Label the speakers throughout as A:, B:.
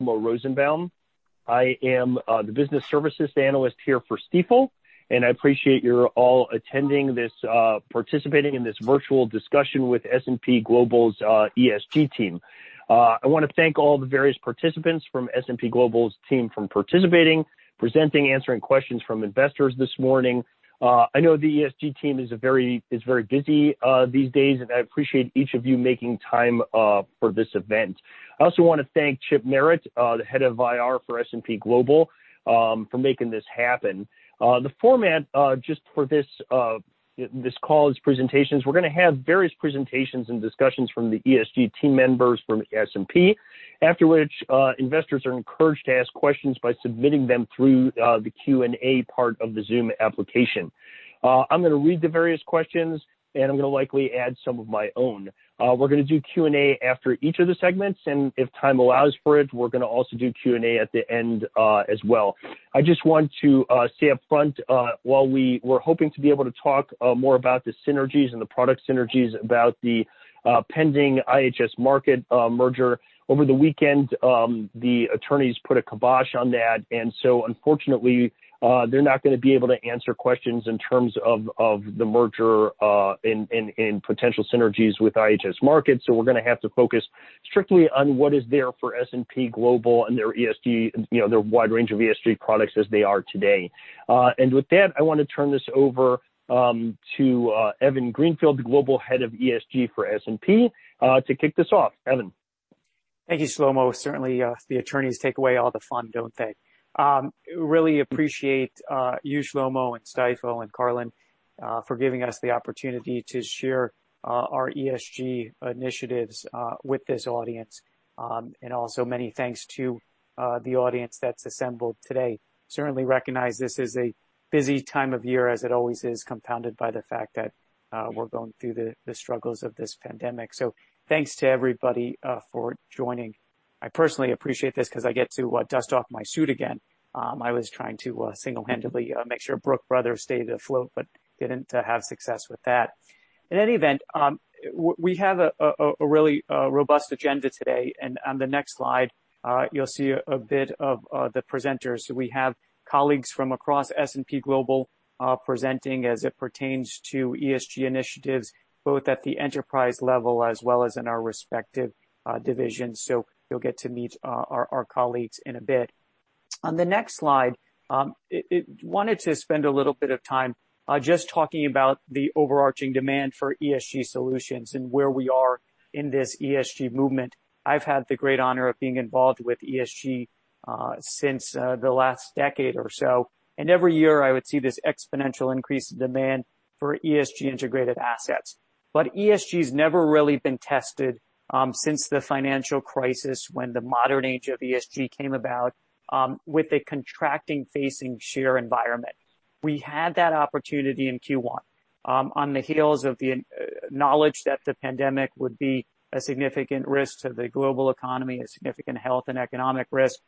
A: Shlomo Rosenbaum. I am the business services analyst here for Stifel, and I appreciate you're all participating in this virtual discussion with S&P Global's ESG team. I want to thank all the various participants from S&P Global's team for participating, presenting, answering questions from investors this morning. I know the ESG team is very busy these days, and I appreciate each of you making time for this event. I also want to thank Chip Merritt, the head of IR for S&P Global, for making this happen. The format just for this call's presentations, we're going to have various presentations and discussions from the ESG team members from S&P, after which investors are encouraged to ask questions by submitting them through the Q&A part of the Zoom application. I'm going to read the various questions, and I'm going to likely add some of my own. We're going to do Q&A after each of the segments, and if time allows for it, we're going to also do Q&A at the end as well. I just want to say up front, while we were hoping to be able to talk more about the synergies and the product synergies about the pending IHS Markit merger, over the weekend, the attorneys put a kibosh on that. Unfortunately, they're not going to be able to answer questions in terms of the merger and potential synergies with IHS Markit. We're going to have to focus strictly on what is there for S&P Global and their wide range of ESG products as they are today. With that, I want to turn this over to Evan Greenfield, the Global Head of ESG for S&P, to kick this off. Evan?
B: Thank you, Shlomo. Certainly, the attorneys take away all the fun, don't they? Really appreciate you, Shlomo, and Stifel, and Carlin for giving us the opportunity to share our ESG initiatives with this audience. Also many thanks to the audience that's assembled today. Certainly recognize this is a busy time of year, as it always is, compounded by the fact that we're going through the struggles of this pandemic. Thanks to everybody for joining. I personally appreciate this because I get to dust off my suit again. I was trying to single-handedly make sure Brooks Brothers stayed afloat, but didn't have success with that. In any event, we have a really robust agenda today, and on the next slide, you'll see a bit of the presenters. We have colleagues from across S&P Global presenting as it pertains to ESG initiatives, both at the enterprise level as well as in our respective divisions. You'll get to meet our colleagues in a bit. On the next slide, wanted to spend a little bit of time just talking about the overarching demand for ESG solutions and where we are in this ESG movement. I've had the great honor of being involved with ESG since the last decade or so, and every year I would see this exponential increase in demand for ESG integrated assets. ESG's never really been tested since the financial crisis when the modern age of ESG came about, with a contracting facing sheer environment. We had that opportunity in Q1 on the heels of the knowledge that the pandemic would be a significant risk to the global economy, a significant health and economic risk.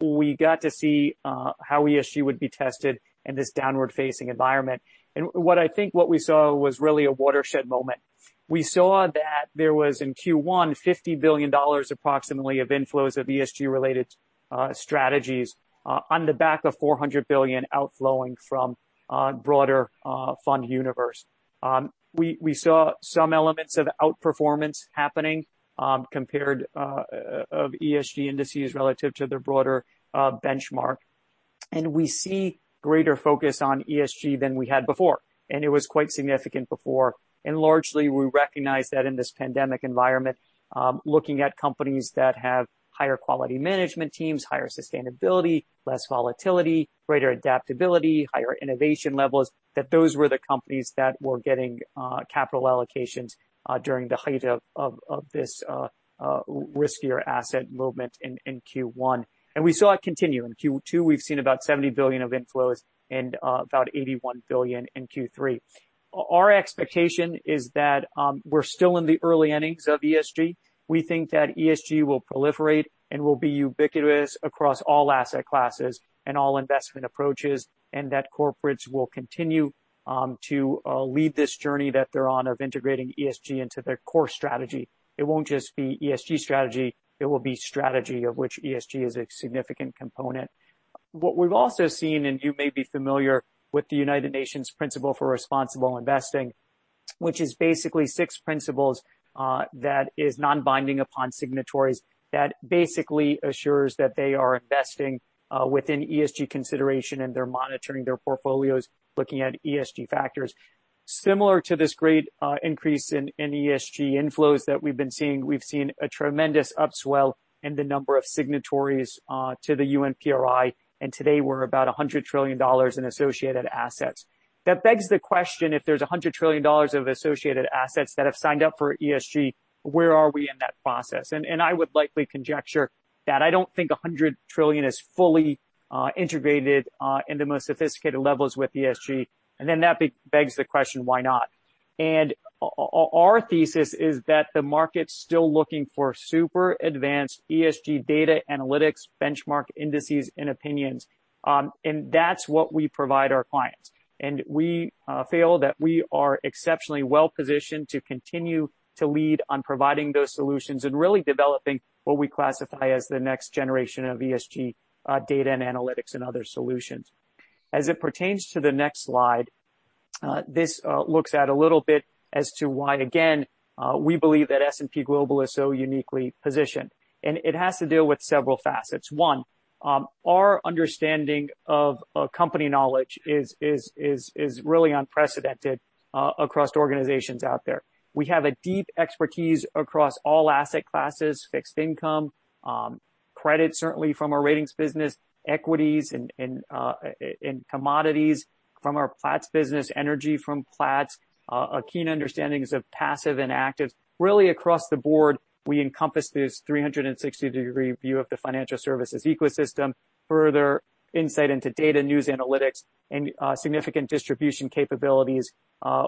B: We got to see how ESG would be tested in this downward-facing environment. What we saw was really a watershed moment. We saw that there was, in Q1, $50 billion approximately of inflows of ESG-related strategies on the back of $400 billion outflowing from broader fund universe. We saw some elements of outperformance happening compared of ESG indices relative to their broader benchmark. We see greater focus on ESG than we had before, and it was quite significant before. Largely, we recognize that in this pandemic environment, looking at companies that have higher quality management teams, higher sustainability, less volatility, greater adaptability, higher innovation levels, that those were the companies that were getting capital allocations during the height of this riskier asset movement in Q1. We saw it continue. In Q2, we've seen about $70 billion of inflows and about $81 billion in Q3. Our expectation is that we're still in the early innings of ESG. We think that ESG will proliferate and will be ubiquitous across all asset classes and all investment approaches, and that corporates will continue to lead this journey that they're on of integrating ESG into their core strategy. It won't just be ESG strategy, it will be strategy of which ESG is a significant component. What we've also seen, you may be familiar with the Principles for Responsible Investment, which is basically six principles that is non-binding upon signatories that basically assures that they are investing within ESG consideration and they're monitoring their portfolios looking at ESG factors. Similar to this great increase in ESG inflows that we've been seeing, we've seen a tremendous upswell in the number of signatories to the UNPRI, and today we're about $100 trillion in associated assets. That begs the question, if there's $100 trillion of associated assets that have signed up for ESG, where are we in that process? I would likely conjecture that I don't think $100 trillion is fully integrated in the most sophisticated levels with ESG. That begs the question, why not? Our thesis is that the market's still looking for super advanced ESG data analytics, benchmark indices, and opinions. That's what we provide our clients. We feel that we are exceptionally well-positioned to continue to lead on providing those solutions and really developing what we classify as the next generation of ESG data and analytics and other solutions. As it pertains to the next slide, this looks at a little bit as to why, again, we believe that S&P Global is so uniquely positioned. It has to do with several facets. One, our understanding of company knowledge is really unprecedented across organizations out there. We have a deep expertise across all asset classes, fixed income, credit, certainly from our ratings business, equities and commodities from our Platts business, energy from Platts, keen understandings of passive and active. Really across the board, we encompass this 360-degree view of the financial services ecosystem, further insight into data news analytics, and significant distribution capabilities,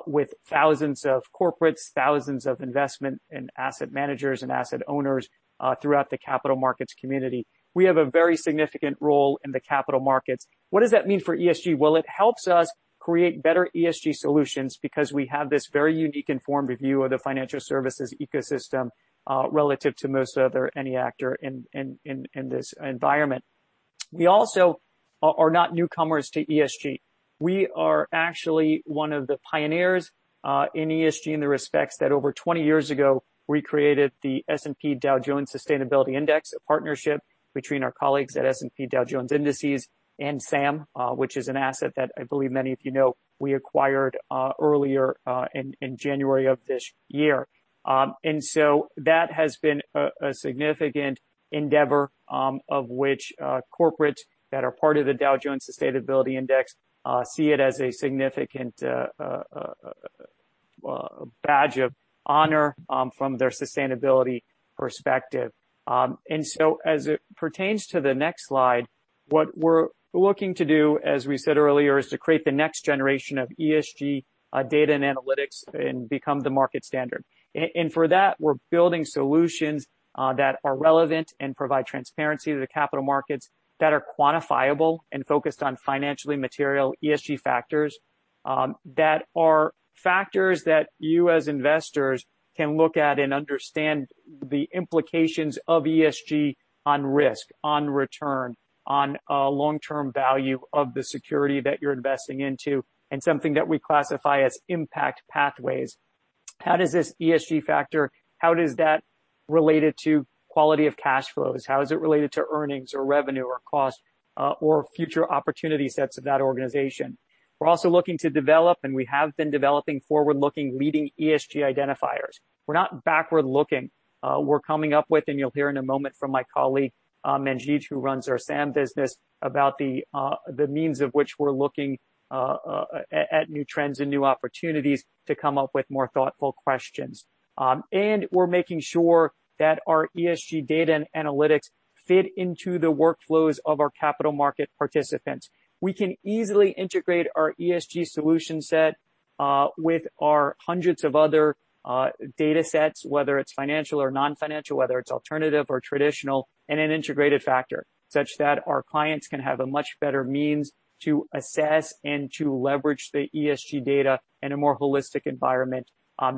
B: with thousands of corporates, thousands of investment and asset managers and asset owners throughout the capital markets community. We have a very significant role in the capital markets. What does that mean for ESG? Well, it helps us create better ESG solutions because we have this very unique informed view of the financial services ecosystem, relative to most other any actor in this environment. We also are not newcomers to ESG. We are actually one of the pioneers in ESG in the respects that over 20 years ago, we created the S&P Dow Jones Sustainability Index, a partnership between our colleagues at S&P Dow Jones Indices and SAM, which is an asset that I believe many of you know we acquired earlier in January of this year. That has been a significant endeavor, of which corporates that are part of the Dow Jones Sustainability Index see it as a significant badge of honor from their sustainability perspective. As it pertains to the next slide, what we're looking to do, as we said earlier, is to create the next generation of ESG data and analytics and become the market standard. For that, we're building solutions that are relevant and provide transparency to the capital markets that are quantifiable and focused on financially material ESG factors, that are factors that you as investors can look at and understand the implications of ESG on risk, on return, on long-term value of the security that you're investing into, and something that we classify as impact pathways. How does this ESG factor, how is that related to quality of cash flows? How is it related to earnings or revenue or cost, or future opportunity sets of that organization? We're also looking to develop, and we have been developing forward-looking leading ESG identifiers. We're not backward-looking. We're coming up with, you'll hear in a moment from my colleague, Manjit, who runs our SAM business, about the means of which we're looking at new trends and new opportunities to come up with more thoughtful questions. We're making sure that our ESG data and analytics fit into the workflows of our capital market participants. We can easily integrate our ESG solution set with our hundreds of other datasets, whether it's financial or non-financial, whether it's alternative or traditional, in an integrated factor, such that our clients can have a much better means to assess and to leverage the ESG data in a more holistic environment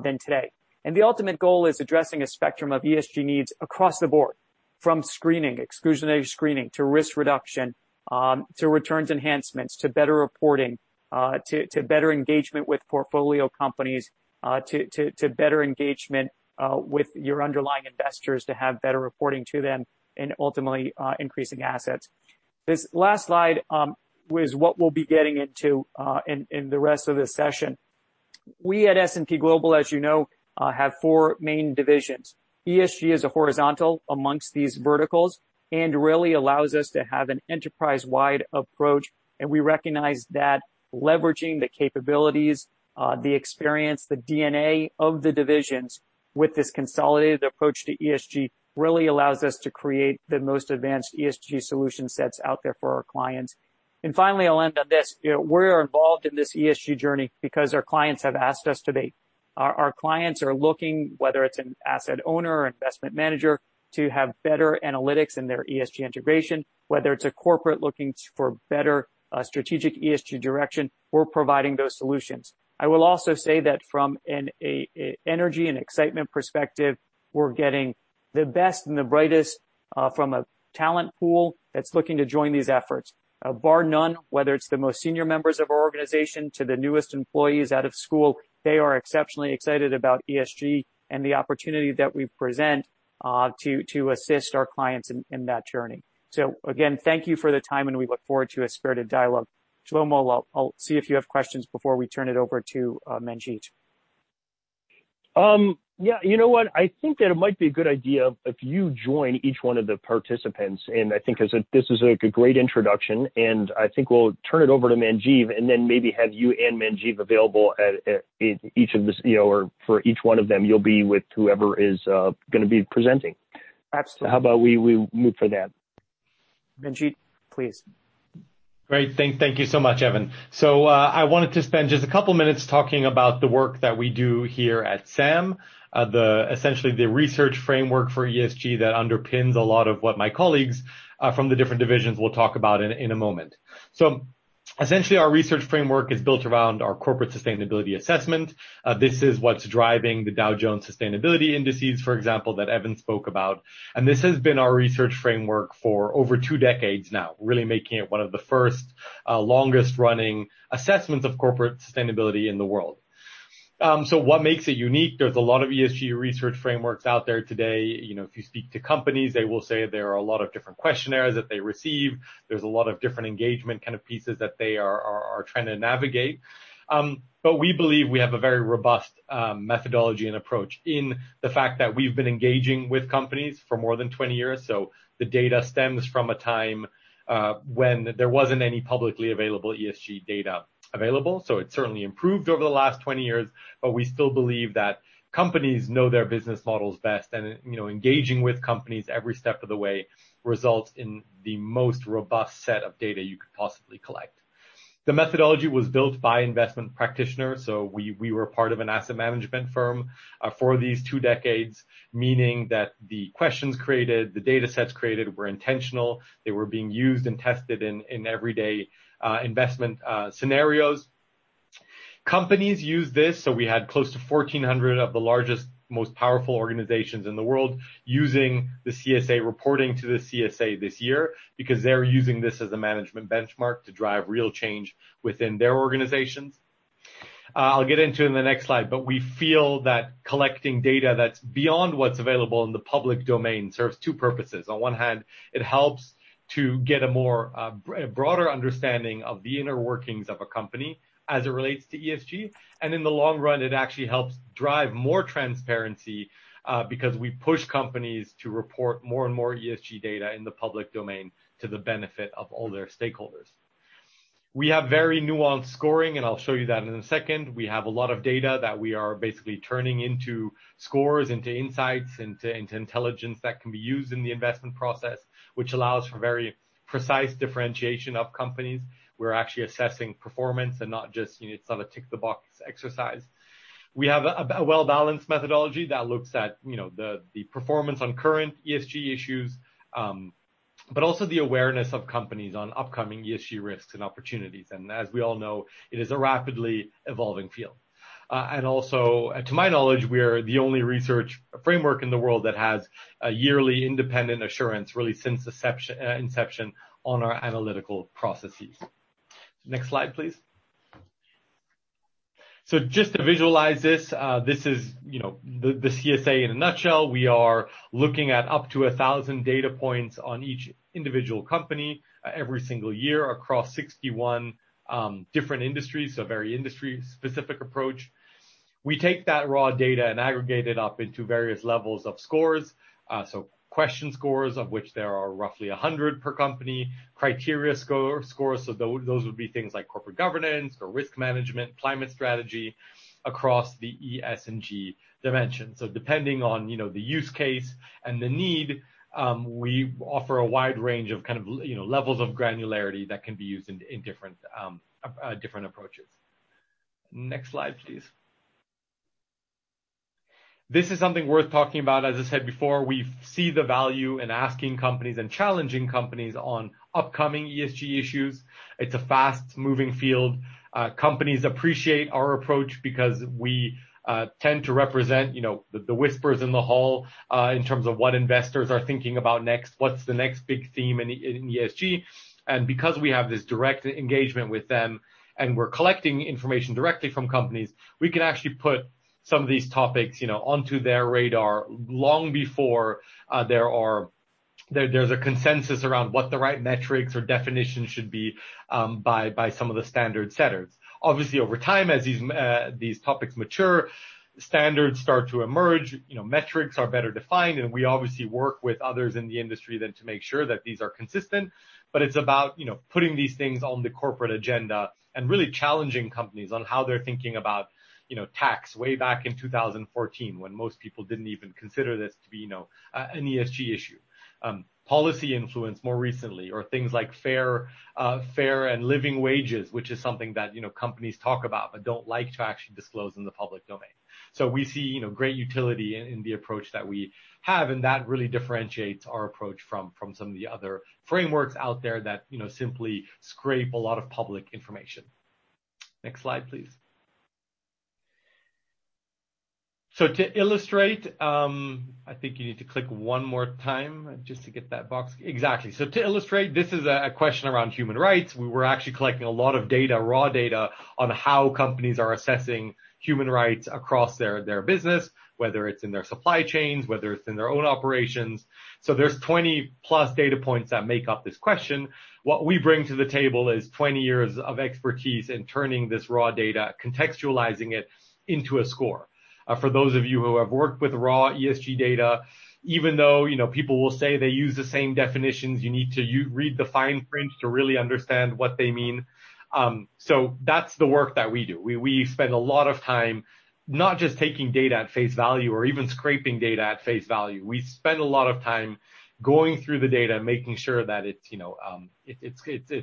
B: than today. The ultimate goal is addressing a spectrum of ESG needs across the board, from screening, exclusionary screening, to risk reduction, to returns enhancements, to better reporting, to better engagement with portfolio companies, to better engagement with your underlying investors to have better reporting to them, and ultimately, increasing assets. This last slide is what we'll be getting into in the rest of the session. We at S&P Global, as you know, have four main divisions. ESG is a horizontal amongst these verticals and really allows us to have an enterprise-wide approach. We recognize that leveraging the capabilities, the experience, the DNA of the divisions with this consolidated approach to ESG really allows us to create the most advanced ESG solution sets out there for our clients. Finally, I'll end on this. We're involved in this ESG journey because our clients have asked us to be. Our clients are looking, whether it's an asset owner or investment manager, to have better analytics in their ESG integration, whether it's a corporate looking for better strategic ESG direction, we're providing those solutions. I will also say that from an energy and excitement perspective, we're getting the best and the brightest from a talent pool that's looking to join these efforts. Bar none, whether it's the most senior members of our organization to the newest employees out of school, they are exceptionally excited about ESG and the opportunity that we present to assist our clients in that journey. Again, thank you for the time, and we look forward to a spirited dialogue. Shlomo, I'll see if you have questions before we turn it over to Manjit.
A: Yeah. You know what? I think that it might be a good idea if you join each one of the participants, and I think this is a great introduction, and I think we'll turn it over to Manjit and then maybe have you and Manjit available at each of this, or for each one of them, you'll be with whoever is going to be presenting.
B: Absolutely.
A: How about we move for that?
B: Manjit, please.
C: Great. Thank you so much, Evan. I wanted to spend just a couple of minutes talking about the work that we do here at SAM, essentially the research framework for ESG that underpins a lot of what my colleagues from the different divisions will talk about in a moment. Essentially, our research framework is built around our Corporate Sustainability Assessment. This is what's driving the Dow Jones Sustainability Indices, for example, that Evan spoke about. This has been our research framework for over two decades now, really making it one of the first longest-running assessments of corporate sustainability in the world. What makes it unique? There's a lot of ESG research frameworks out there today. If you speak to companies, they will say there are a lot of different questionnaires that they receive. There's a lot of different engagement kind of pieces that they are trying to navigate. We believe we have a very robust methodology and approach in the fact that we've been engaging with companies for more than 20 years. The data stems from a time when there wasn't any publicly available ESG data available. It's certainly improved over the last 20 years, but we still believe that companies know their business models best and engaging with companies every step of the way results in the most robust set of data you could possibly collect. The methodology was built by investment practitioners, so we were part of an asset management firm for these two decades, meaning that the questions created, the data sets created were intentional. They were being used and tested in everyday investment scenarios. Companies use this, so we had close to 1,400 of the largest, most powerful organizations in the world using the CSA, reporting to the CSA this year because they're using this as a management benchmark to drive real change within their organizations. I'll get into in the next slide, we feel that collecting data that's beyond what's available in the public domain serves two purposes. On one hand, it helps to get a broader understanding of the inner workings of a company as it relates to ESG. In the long run, it actually helps drive more transparency because we push companies to report more and more ESG data in the public domain to the benefit of all their stakeholders. We have very nuanced scoring, I'll show you that in a second. We have a lot of data that we are basically turning into scores, into insights, into intelligence that can be used in the investment process, which allows for very precise differentiation of companies. We're actually assessing performance and not just, it's not a tick the box exercise. We have a well-balanced methodology that looks at the performance on current ESG issues, but also the awareness of companies on upcoming ESG risks and opportunities. As we all know, it is a rapidly evolving field. Also, to my knowledge, we are the only research framework in the world that has a yearly independent assurance, really since inception on our analytical processes. Next slide, please. Just to visualize this is the CSA in a nutshell. We are looking at up to 1,000 data points on each individual company every single year across 61 different industries, very industry-specific approach. We take that raw data and aggregate it up into various levels of scores. Question scores, of which there are 100 per company, criteria scores, those would be things like corporate governance or risk management, climate strategy across the ESG dimensions. Depending on the use case and the need, we offer a wide range of levels of granularity that can be used in different approaches. Next slide, please. This is something worth talking about. As I said before, we see the value in asking companies and challenging companies on upcoming ESG issues. It's a fast-moving field. Companies appreciate our approach because we tend to represent the whispers in the hall, in terms of what investors are thinking about next, what's the next big theme in ESG. Because we have this direct engagement with them and we're collecting information directly from companies, we can actually put some of these topics onto their radar long before there's a consensus around what the right metrics or definitions should be by some of the standard setters. Over time, as these topics mature, standards start to emerge, metrics are better defined, and we obviously work with others in the industry then to make sure that these are consistent. It's about putting these things on the corporate agenda and really challenging companies on how they're thinking about tax way back in 2014, when most people didn't even consider this to be an ESG issue. Policy influence more recently, or things like fair and living wages, which is something that companies talk about but don't like to actually disclose in the public domain. We see great utility in the approach that we have, and that really differentiates our approach from some of the other frameworks out there that simply scrape a lot of public information. Next slide, please. To illustrate, I think you need to click one more time just to get that box. Exactly. To illustrate, this is a question around human rights. We were actually collecting a lot of data, raw data, on how companies are assessing human rights across their business, whether it's in their supply chains, whether it's in their own operations. There's 20+ data points that make up this question. What we bring to the table is 20 years of expertise in turning this raw data, contextualizing it into a score. For those of you who have worked with raw ESG data, even though people will say they use the same definitions, you need to read the fine print to really understand what they mean. That's the work that we do. We spend a lot of time not just taking data at face value or even scraping data at face value. We spend a lot of time going through the data, making sure that it's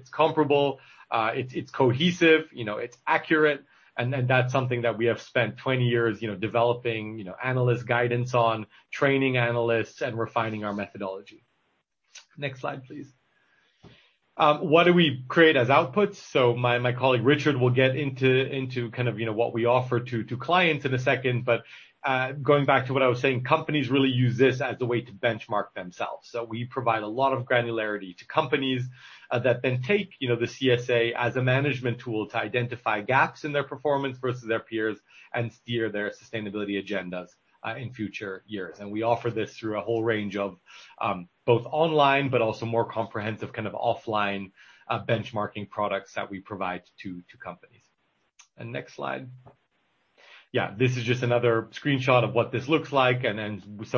C: comparable, it's cohesive, it's accurate, and that's something that we have spent 20 years developing analyst guidance on, training analysts, and refining our methodology. Next slide, please. What do we create as outputs? My colleague Richard will get into what we offer to clients in a second, but going back to what I was saying, companies really use this as a way to benchmark themselves. We provide a lot of granularity to companies that take the CSA as a management tool to identify gaps in their performance versus their peers and steer their sustainability agendas in future years. We offer this through a whole range of both online, but also more comprehensive kind of offline benchmarking products that we provide to companies. Next slide. This is just another screenshot of what this looks like.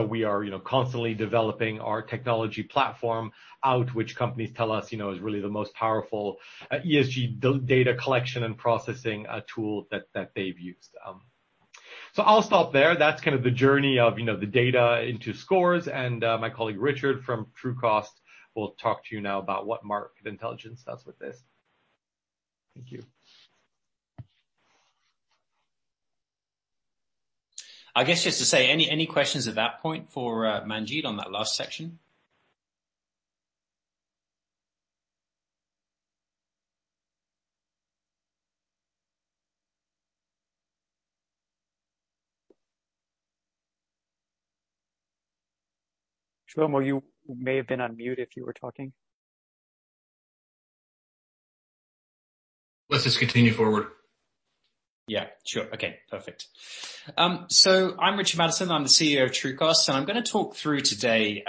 C: We are constantly developing our technology platform out, which companies tell us is really the most powerful ESG data collection and processing tool that they've used. I'll stop there. That's kind of the journey of the data into scores. My colleague Richard from Trucost will talk to you now about what Market Intelligence does with this. Thank you.
D: I guess just to say, any questions at that point for Manjit on that last section?
B: Shlomo, you may have been on mute if you were talking.
C: Let's just continue forward.
D: Yeah, sure. Okay, perfect. I'm Richard Mattison. I'm the CEO of Trucost. I'm going to talk through today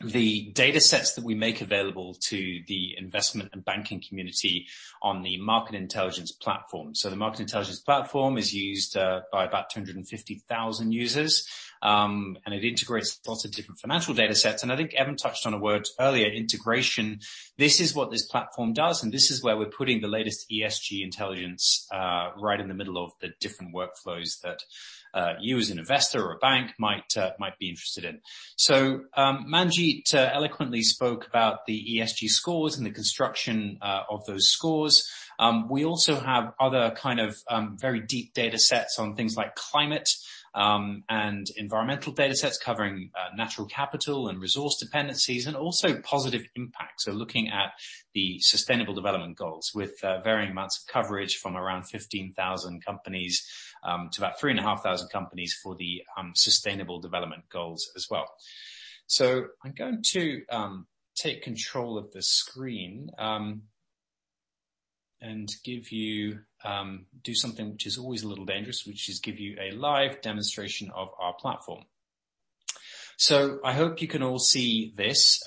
D: the data sets that we make available to the investment and banking community on the Market Intelligence platform. The Market Intelligence platform is used by about 250,000 users, and it integrates lots of different financial data sets. I think Evan touched on a word earlier, integration. This is what this platform does, and this is where we're putting the latest ESG intelligence right in the middle of the different workflows that you as an investor or a bank might be interested in. Manjit eloquently spoke about the ESG scores and the construction of those scores. We also have other kind of very deep data sets on things like climate and environmental data sets covering natural capital and resource dependencies, and also positive impacts. Looking at the Sustainable Development Goals with varying amounts of coverage from around 15,000 companies to about 3,500 companies for the Sustainable Development Goals as well. I'm going to take control of the screen, and do something which is always a little dangerous, which is give you a live demonstration of our platform. I hope you can all see this.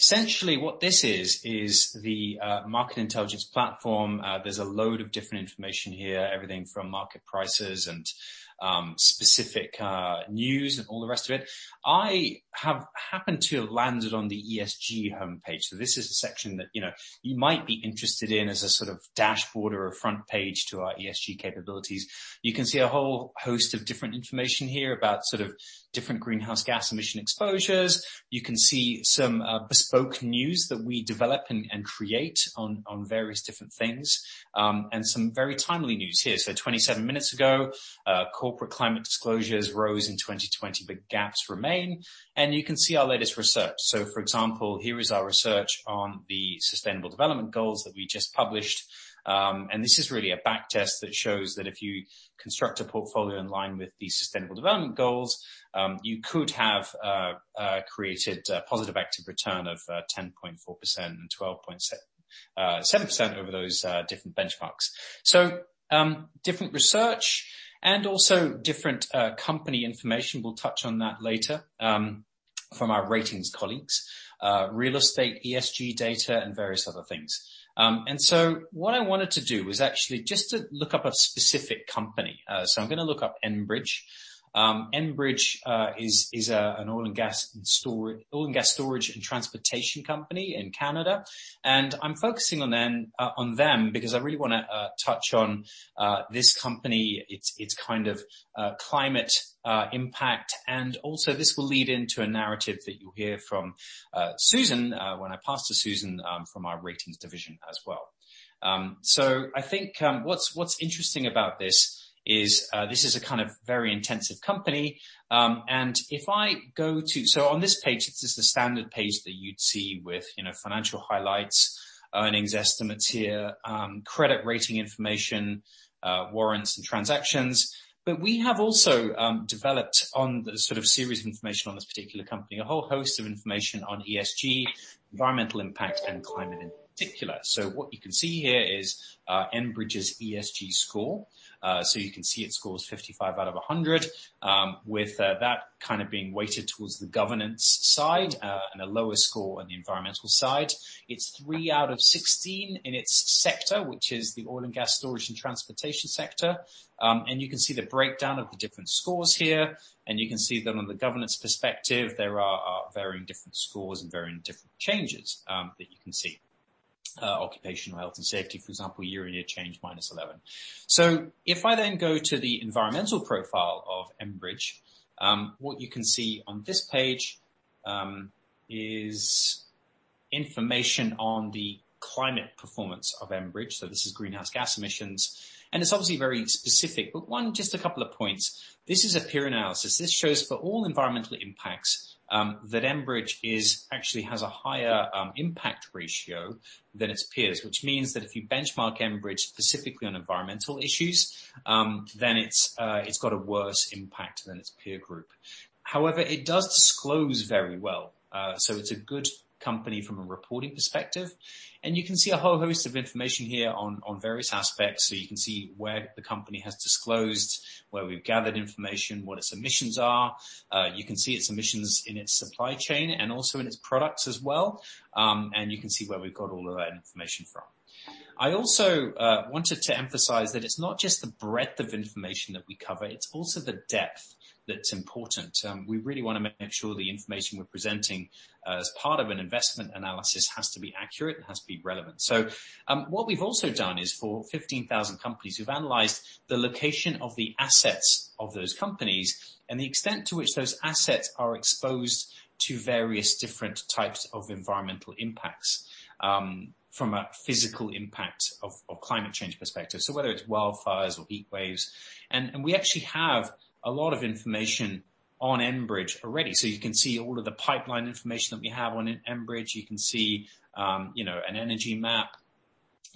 D: Essentially what this is the Market Intelligence platform. There's a load of different information here, everything from market prices and specific news and all the rest of it. I have happened to have landed on the ESG homepage. This is a section that you might be interested in as a sort of dashboard or a front page to our ESG capabilities. You can see a whole host of different information here about different greenhouse gas emission exposures. You can see some bespoke news that we develop and create on various different things, and some very timely news here. 27 minutes ago, corporate climate disclosures rose in 2020, but gaps remain, and you can see our latest research. For example, here is our research on the Sustainable Development Goals that we just published, and this is really a back test that shows that if you construct a portfolio in line with the Sustainable Development Goals, you could have created a positive active return of 10.4% and 12.7% over those different benchmarks. Different research and also different company information. We'll touch on that later from our ratings colleagues. Real estate, ESG data, and various other things. What I wanted to do was actually just to look up a specific company. I'm going to look up Enbridge. Enbridge is an oil and gas storage and transportation company in Canada, and I'm focusing on them because I really want to touch on this company, its kind of climate impact, and also this will lead into a narrative that you'll hear from Susan when I pass to Susan from our ratings division as well. I think what's interesting about this is this is a kind of very intensive company, if I go to on this page, this is the standard page that you'd see with financial highlights, earnings estimates here, credit rating information, warrants and transactions. We have also developed on the sort of series information on this particular company, a whole host of information on ESG, environmental impact, and climate in particular. What you can see here is Enbridge's ESG score. You can see it scores 55 out of 100, with that kind of being weighted towards the governance side and a lower score on the environmental side. It's three out of 16 in its sector, which is the oil and gas storage and transportation sector. You can see the breakdown of the different scores here, and you can see that on the governance perspective, there are varying different scores and varying different changes that you can see. Occupational health and safety, for example, year on year change -11. If I go to the environmental profile of Enbridge, what you can see on this page is information on the climate performance of Enbridge. This is greenhouse gas emissions, and it's obviously very specific. One, just a couple of points. This is a peer analysis. This shows for all environmental impacts, that Enbridge actually has a higher impact ratio than its peers, which means that if you benchmark Enbridge specifically on environmental issues, then it's got a worse impact than its peer group. However, it does disclose very well. It's a good company from a reporting perspective, and you can see a whole host of information here on various aspects. You can see where the company has disclosed, where we've gathered information, what its emissions are. You can see its emissions in its supply chain and also in its products as well. You can see where we've got all of that information from. I also wanted to emphasize that it's not just the breadth of information that we cover, it's also the depth that's important. We really want to make sure the information we're presenting as part of an investment analysis has to be accurate and has to be relevant. What we've also done is for 15,000 companies, we've analyzed the location of the assets of those companies and the extent to which those assets are exposed to various different types of environmental impacts, from a physical impact of climate change perspective. Whether it's wildfires or heat waves. We actually have a lot of information on Enbridge already. You can see all of the pipeline information that we have on Enbridge. You can see an energy map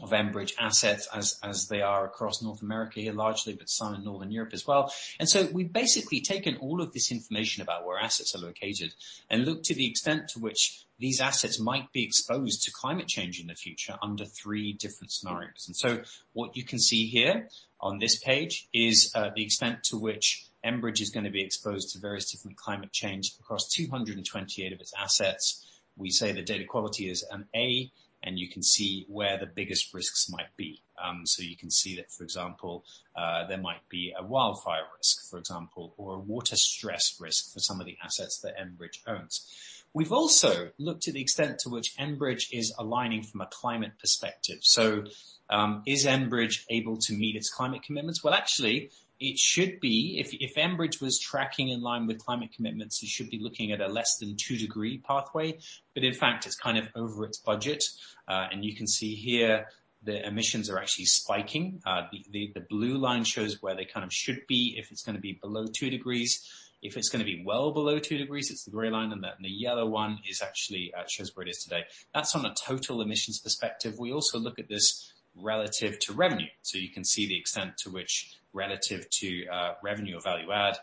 D: of Enbridge assets as they are across North America here largely, but some in Northern Europe as well. We've basically taken all of this information about where assets are located and looked to the extent to which these assets might be exposed to climate change in the future under three different scenarios. What you can see here on this page is the extent to which Enbridge is going to be exposed to various different climate change across 228 of its assets. We say the data quality is an A, and you can see where the biggest risks might be. You can see that, for example, there might be a wildfire risk, for example, or a water stress risk for some of the assets that Enbridge owns. We've also looked at the extent to which Enbridge is aligning from a climate perspective. Is Enbridge able to meet its climate commitments? Well, actually, it should be. If Enbridge was tracking in line with climate commitments, it should be looking at a less than two degree pathway. In fact, it's kind of over its budget. You can see here the emissions are actually spiking. The blue line shows where they kind of should be if it's going to be below two degrees. If it's going to be well below two degrees, it's the gray line, and the yellow one actually shows where it is today. That's on a total emissions perspective. We also look at this relative to revenue. You can see the extent to which relative to revenue or value add,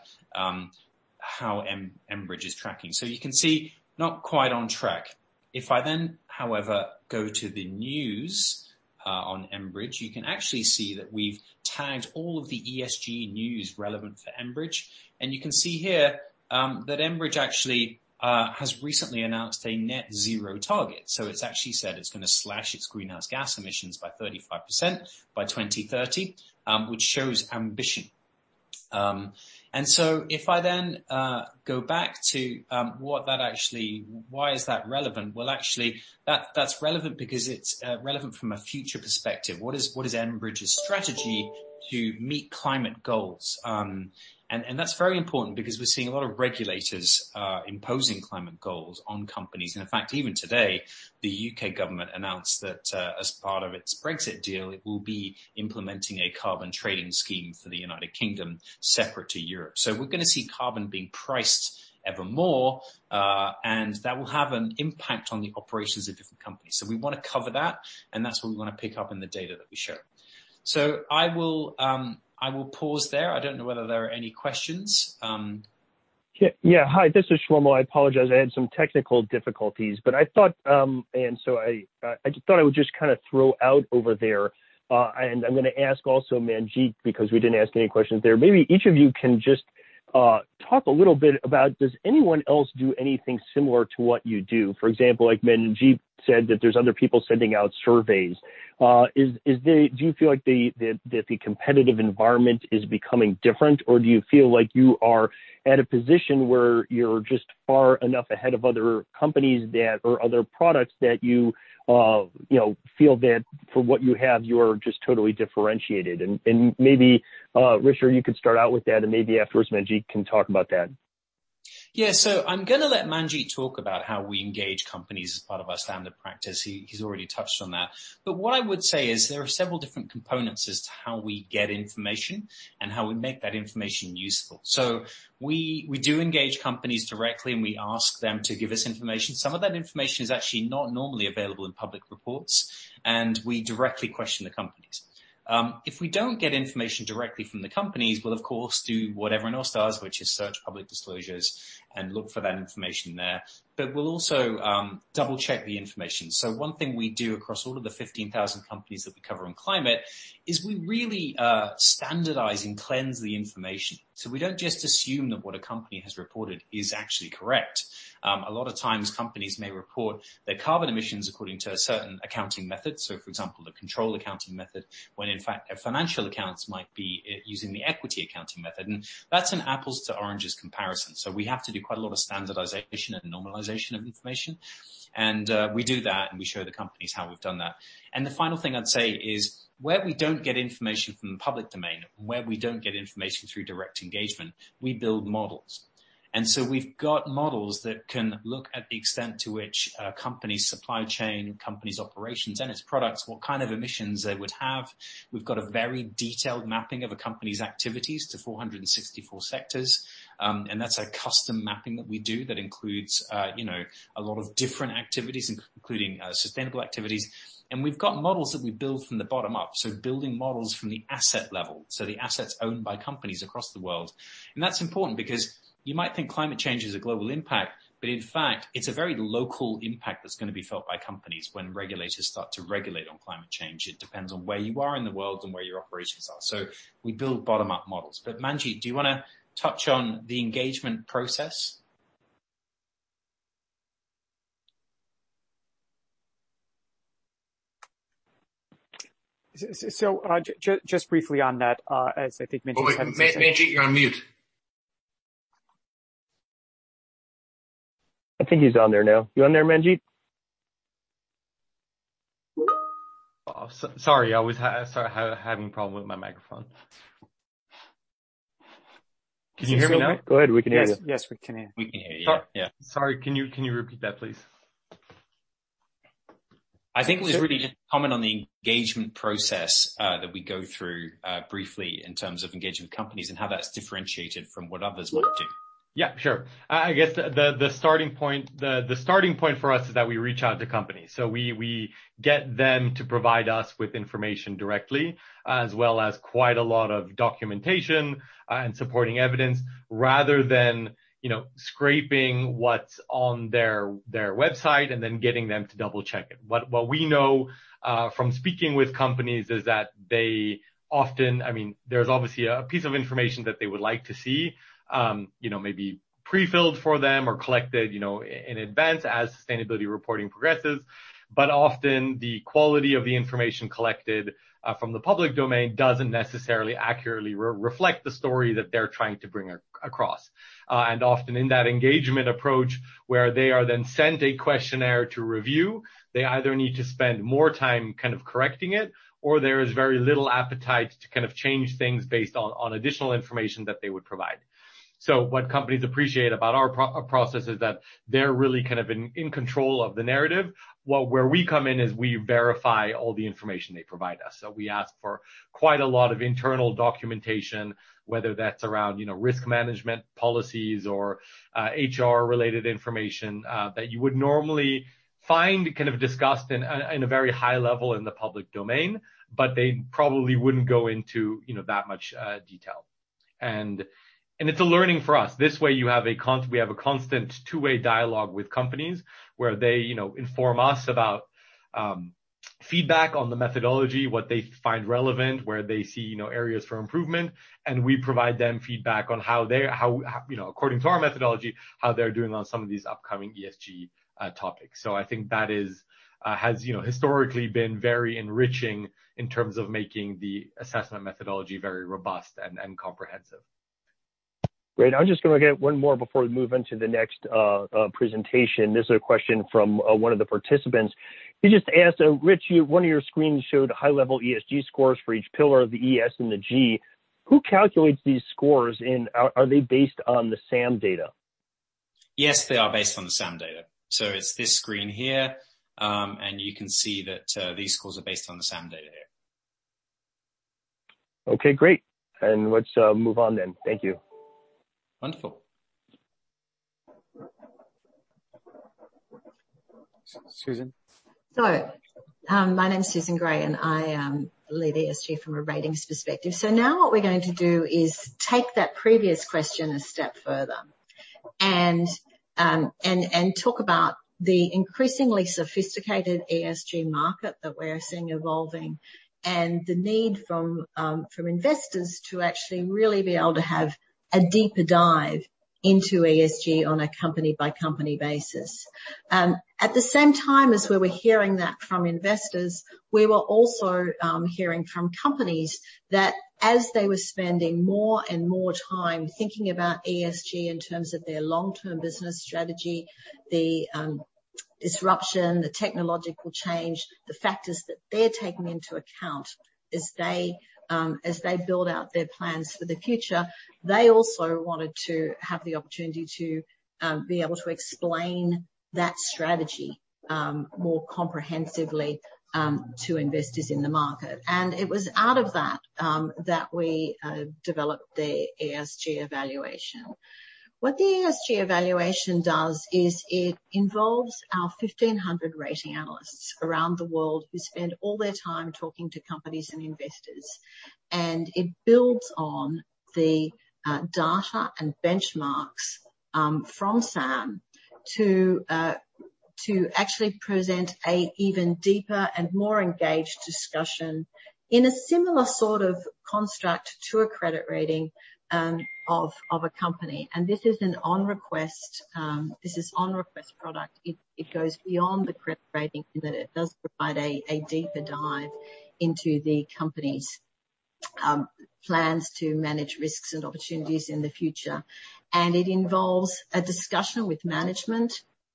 D: how Enbridge is tracking. You can see, not quite on track. If I, however, go to the news on Enbridge, you can actually see that we've tagged all of the ESG news relevant for Enbridge, and you can see here that Enbridge actually has recently announced a net zero target. It's actually said it's going to slash its greenhouse gas emissions by 35% by 2030, which shows ambition. If I go back to why is that relevant. Well, actually, that's relevant because it's relevant from a future perspective. What is Enbridge's strategy to meet climate goals? That's very important because we're seeing a lot of regulators imposing climate goals on companies. In fact, even today, the U.K. government announced that, as part of its Brexit deal, it will be implementing a carbon trading scheme for the United Kingdom separate to Europe. We're going to see carbon being priced ever more, and that will have an impact on the operations of different companies. We want to cover that, and that's what we want to pick up in the data that we show. I will pause there. I don't know whether there are any questions.
A: Yeah. Hi, this is Shlomo. I apologize. I had some technical difficulties. I just thought I would just kind of throw out over there. I'm going to ask also Manjit, because we didn't ask any questions there. Maybe each of you can just talk a little bit about, does anyone else do anything similar to what you do? For example, like Manjit said that there's other people sending out surveys. Do you feel like the competitive environment is becoming different, or do you feel like you are at a position where you're just far enough ahead of other companies or other products that you feel that for what you have, you're just totally differentiated? Maybe, Richard, you could start out with that, and maybe afterwards Manjit can talk about that.
D: Yeah. I'm going to let Manjit talk about how we engage companies as part of our standard practice. He's already touched on that. What I would say is there are several different components as to how we get information and how we make that information useful. We do engage companies directly, and we ask them to give us information. Some of that information is actually not normally available in public reports, and we directly question the companies. If we don't get information directly from the companies, we'll of course do what everyone else does, which is search public disclosures and look for that information there. We'll also double-check the information. One thing we do across all of the 15,000 companies that we cover on climate is we really standardize and cleanse the information. We don't just assume that what a company has reported is actually correct. A lot of times companies may report their carbon emissions according to a certain accounting method. For example, the control accounting method, when in fact their financial accounts might be using the equity accounting method. That's an apples-to-oranges comparison, so we have to do quite a lot of standardization and normalization of information. We do that, and we show the companies how we've done that. The final thing I'd say is, where we don't get information from the public domain and where we don't get information through direct engagement, we build models. We've got models that can look at the extent to which a company's supply chain, company's operations, and its products, what kind of emissions they would have. We've got a very detailed mapping of a company's activities to 464 sectors. That's a custom mapping that we do that includes a lot of different activities, including sustainable activities. We've got models that we build from the bottom up, so building models from the asset level. The assets owned by companies across the world. That's important because you might think climate change is a global impact, but in fact, it's a very local impact that's going to be felt by companies when regulators start to regulate on climate change. It depends on where you are in the world and where your operations are. We build bottom-up models. Manjit, do you want to touch on the engagement process?
B: Just briefly on that, as I think Manjit has.
D: Wait, Manjit, you're on mute.
A: I think he's on there now. You on there, Manjit?
C: Oh, sorry. I was having a problem with my microphone. Can you hear me now?
A: It's all good. Go ahead, we can hear you.
B: Yes, we can hear you.
D: We can hear you, yeah.
C: Sorry, can you repeat that, please?
D: I think it was really just to comment on the engagement process that we go through, briefly, in terms of engaging with companies and how that's differentiated from what others might do.
C: Yeah, sure. I guess the starting point for us is that we reach out to companies. We get them to provide us with information directly, as well as quite a lot of documentation and supporting evidence, rather than scraping what's on their website and then getting them to double-check it. What we know, from speaking with companies, is that they often. There's obviously a piece of information that they would like to see maybe pre-filled for them or collected in advance as sustainability reporting progresses. Often, the quality of the information collected from the public domain doesn't necessarily accurately reflect the story that they're trying to bring across. Often in that engagement approach, where they are then sent a questionnaire to review, they either need to spend more time kind of correcting it, or there is very little appetite to change things based on additional information that they would provide. What companies appreciate about our process is that they're really in control of the narrative. Where we come in is we verify all the information they provide us. We ask for quite a lot of internal documentation, whether that's around risk management policies or HR-related information, that you would normally find discussed in a very high level in the public domain, but they probably wouldn't go into that much detail. It's a learning for us. This way we have a constant two-way dialogue with companies, where they inform us about feedback on the methodology, what they find relevant, where they see areas for improvement, and we provide them feedback on how, according to our methodology, how they're doing on some of these upcoming ESG topics. I think that has historically been very enriching in terms of making the assessment methodology very robust and comprehensive.
A: Great. I'm just going to get one more before we move on to the next presentation. This is a question from one of the participants. He just asked, "Rich, one of your screens showed high-level ESG scores for each pillar of the E,S, and the G. Who calculates these scores, and are they based on the SAM data?
D: Yes, they are based on the SAM data. It's this screen here, and you can see that these scores are based on the SAM data here.
A: Okay, great. Let's move on then. Thank you.
D: Wonderful.
B: Susan?
E: My name's Susan Gray, and I lead ESG from a ratings perspective. Now what we're going to do is take that previous question a step further and talk about the increasingly sophisticated ESG market that we're seeing evolving and the need from investors to actually really be able to have a deeper dive into ESG on a company-by-company basis. At the same time as we were hearing that from investors, we were also hearing from companies that as they were spending more and more time thinking about ESG in terms of their long-term business strategy, the disruption, the technological change, the factors that they're taking into account as they build out their plans for the future, they also wanted to have the opportunity to be able to explain that strategy more comprehensively to investors in the market. It was out of that we developed the ESG Evaluation. What the ESG Evaluation does is it involves our 1,500 rating analysts around the world who spend all their time talking to companies and investors, and it builds on the data and benchmarks from SAM to actually present an even deeper and more engaged discussion in a similar sort of construct to a credit rating of a company. This is an on-request product. It goes beyond the credit rating in that it does provide a deeper dive into the company's plans to manage risks and opportunities in the future. It involves a discussion with management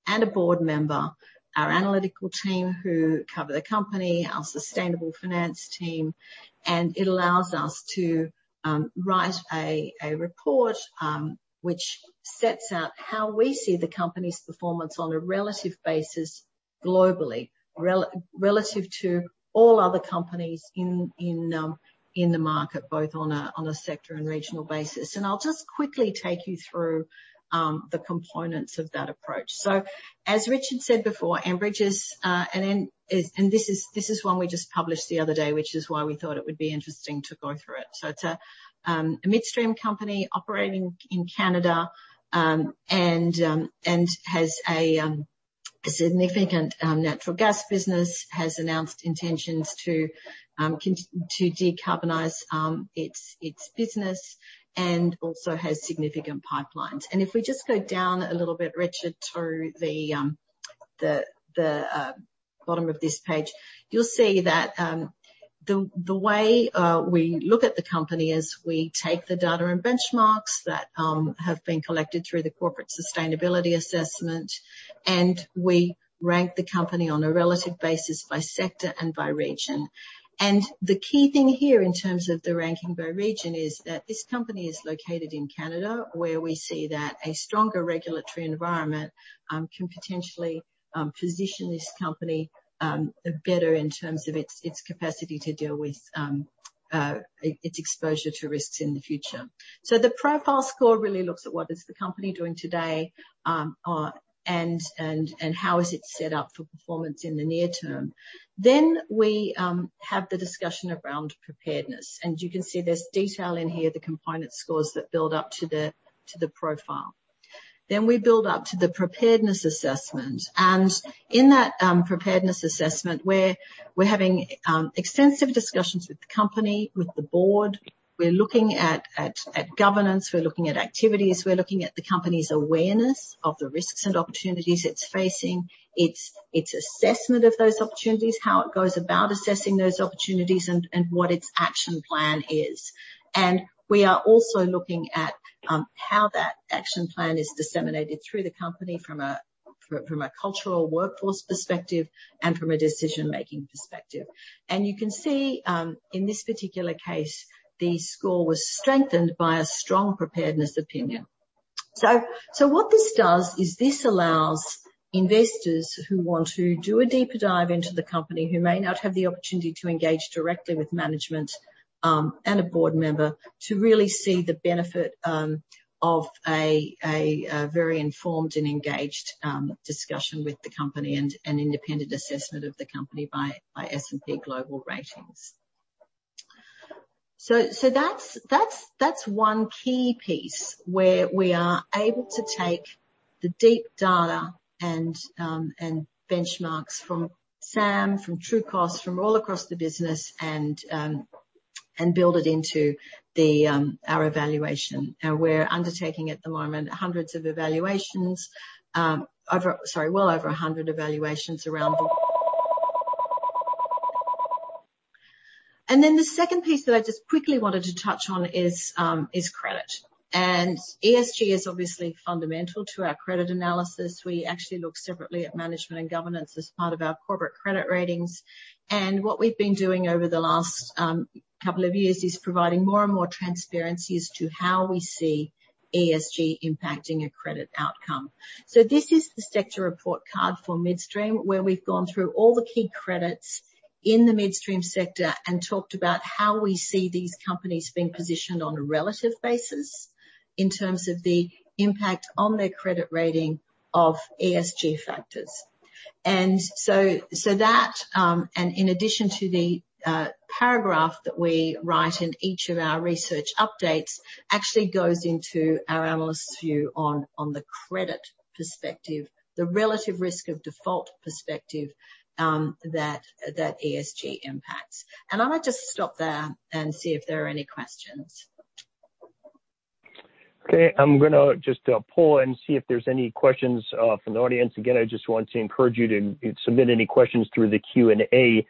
E: and a board member, our analytical team who cover the company, our sustainable finance team, and it allows us to write a report, which sets out how we see the company's performance on a relative basis globally, relative to all other companies in the market, both on a sector and regional basis. I'll just quickly take you through the components of that approach. As Richard said before, Enbridge. This is one we just published the other day, which is why we thought it would be interesting to go through it. It's a midstream company operating in Canada, and has a significant natural gas business, has announced intentions to decarbonize its business, and also has significant pipelines. If we just go down a little bit, Richard, to the bottom of this page, you'll see that the way we look at the company is we take the data and benchmarks that have been collected through the Corporate Sustainability Assessment, and we rank the company on a relative basis by sector and by region. The key thing here in terms of the ranking by region is that this company is located in Canada, where we see that a stronger regulatory environment can potentially position this company better in terms of its capacity to deal with its exposure to risks in the future. The profile score really looks at what is the company doing today, and how is it set up for performance in the near term. We have the discussion around preparedness, and you can see there's detail in here, the component scores that build up to the profile. We build up to the preparedness assessment, and in that preparedness assessment, we're having extensive discussions with the company, with the board. We're looking at governance, we're looking at activities, we're looking at the company's awareness of the risks and opportunities it's facing, its assessment of those opportunities, how it goes about assessing those opportunities, and what its action plan is. We are also looking at how that action plan is disseminated through the company from a cultural workforce perspective and from a decision-making perspective. You can see, in this particular case, the score was strengthened by a strong preparedness opinion. What this does is this allows investors who want to do a deeper dive into the company, who may not have the opportunity to engage directly with management and a board member, to really see the benefit of a very informed and engaged discussion with the company and an independent assessment of the company by S&P Global Ratings. That's one key piece where we are able to take the deep data and benchmarks from SAM, from Trucost, from all across the business, and build it into our evaluation. We're undertaking at the moment hundreds of evaluations. Sorry, well over 100 evaluations around the world. The second piece that I just quickly wanted to touch on is credit, and ESG is obviously fundamental to our credit analysis. We actually look separately at management and governance as part of our corporate credit ratings. What we've been doing over the last couple of years is providing more and more transparency as to how we see ESG impacting a credit outcome. This is the sector report card for midstream, where we've gone through all the key credits in the midstream sector and talked about how we see these companies being positioned on a relative basis in terms of the impact on their credit rating of ESG factors. In addition to the paragraph that we write in each of our research updates, actually goes into our analyst view on the credit perspective, the relative risk of default perspective that ESG impacts. I might just stop there and see if there are any questions.
A: Okay. I'm going to just pull and see if there's any questions from the audience. Again, I just want to encourage you to submit any questions through the Q&A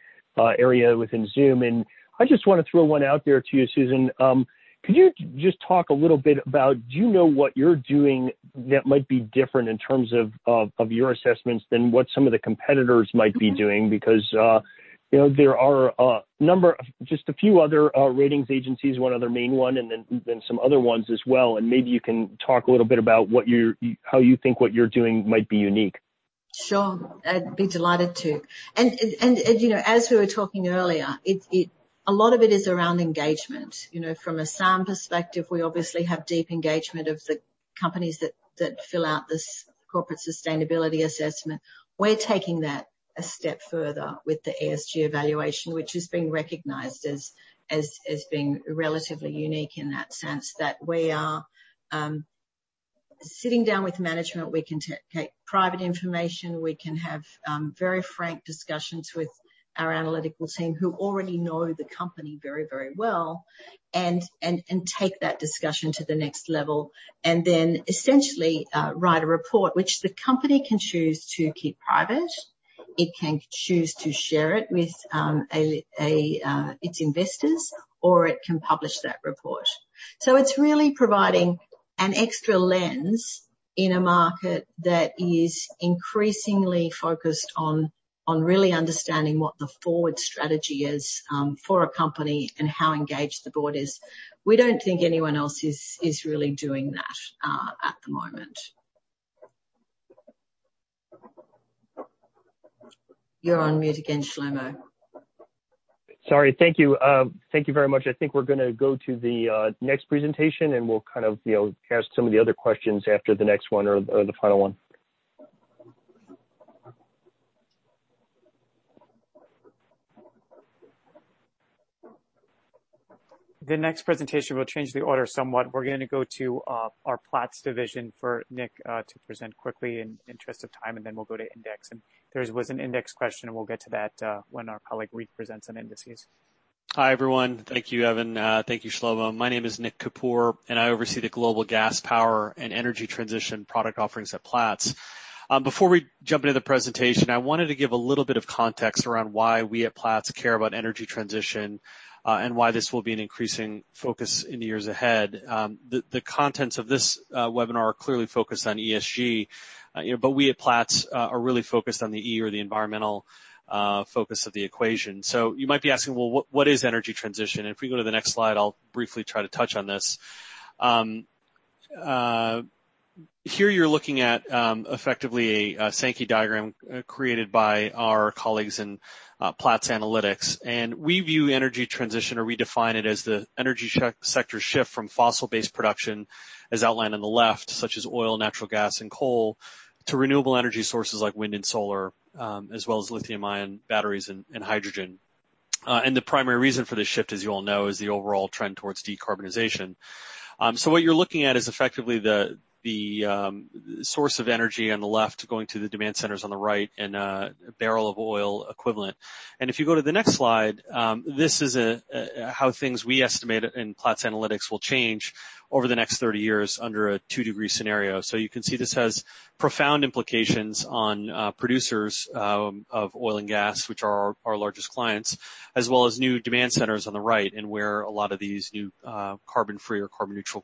A: area within Zoom. I just want to throw one out there to you, Susan. Could you just talk a little bit about, do you know what you're doing that might be different in terms of your assessments than what some of the competitors might be doing? There are a number of, just a few other ratings agencies, one other main one, and then some other ones as well, and maybe you can talk a little bit about how you think what you're doing might be unique.
E: Sure. I'd be delighted to. As we were talking earlier, a lot of it is around engagement. From a SAM perspective, we obviously have deep engagement of the companies that fill out this Corporate Sustainability Assessment. We're taking that a step further with the ESG Evaluation, which has been recognized as being relatively unique in that sense that we are sitting down with management. We can take private information, we can have very frank discussions with our analytical team who already know the company very well, and take that discussion to the next level. Then essentially, write a report, which the company can choose to keep private. It can choose to share it with its investors, or it can publish that report. It's really providing an extra lens in a market that is increasingly focused on really understanding what the forward strategy is for a company and how engaged the board is. We don't think anyone else is really doing that at the moment. You're on mute again, Shlomo.
A: Sorry. Thank you. Thank you very much. I think we're going to go to the next presentation, and we'll ask some of the other questions after the next one or the final one.
B: The next presentation will change the order somewhat. We're going to go to our Platts division for Nick to present quickly in interest of time, and then we'll go to Index. There was an Index question, and we'll get to that when our colleague, Reid, presents on Indices.
F: Hi, everyone. Thank you, Evan. Thank you, Shlomo. My name is Nick Kapur. I oversee the global gas, power, and energy transition product offerings at Platts. Before we jump into the presentation, I wanted to give a little bit of context around why we at Platts care about energy transition. Why this will be an increasing focus in the years ahead. The contents of this webinar are clearly focused on ESG. We at Platts are really focused on the E, or the environmental focus of the equation. You might be asking, "Well, what is energy transition?" If we go to the next slide, I'll briefly try to touch on this. Here you're looking at effectively a Sankey diagram created by our colleagues in Platts Analytics. We view energy transition, or we define it, as the energy sector's shift from fossil-based production, as outlined on the left, such as oil, natural gas, and coal, to renewable energy sources like wind and solar, as well as lithium-ion batteries and hydrogen. The primary reason for this shift, as you all know, is the overall trend towards decarbonization. What you're looking at is effectively the source of energy on the left going to the demand centers on the right in a barrel of oil equivalent. If you go to the next slide, this is how things we estimate in Platts Analytics will change over the next 30 years under a two-degree scenario. You can see this has profound implications on producers of oil and gas, which are our largest clients, as well as new demand centers on the right and where a lot of these new carbon-free or carbon-neutral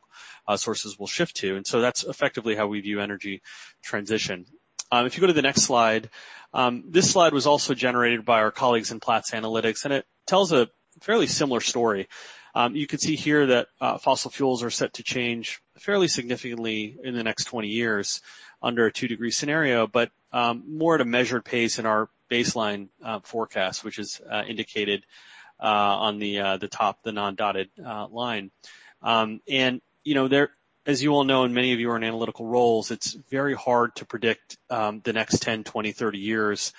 F: sources will shift to. That's effectively how we view energy transition. If you go to the next slide, this slide was also generated by our colleagues in Platts Analytics, and it tells a fairly similar story. You can see here that fossil fuels are set to change fairly significantly in the next 20 years under a two-degree scenario, but more at a measured pace in our baseline forecast, which is indicated on the top, the non-dotted line. As you all know, and many of you are in analytical roles, it's very hard to predict the next 10, 20, 30 years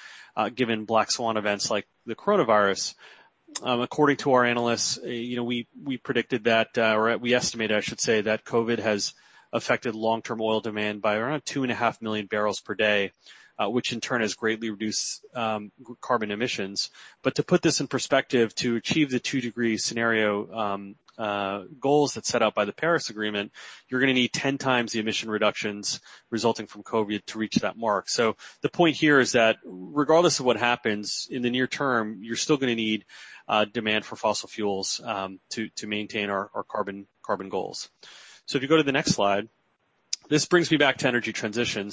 F: given black swan events like the coronavirus. According to our analysts, we estimate that COVID has affected long-term oil demand by around 2.5 million bbl per day, which in turn has greatly reduced carbon emissions. To put this in perspective, to achieve the two-degree scenario goals that is set out by the Paris Agreement, you're going to need 10x the emission reductions resulting from COVID to reach that mark. The point here is that regardless of what happens in the near term, you're still going to need demand for fossil fuels to maintain our carbon goals. If you go to the next slide, this brings me back to energy transition.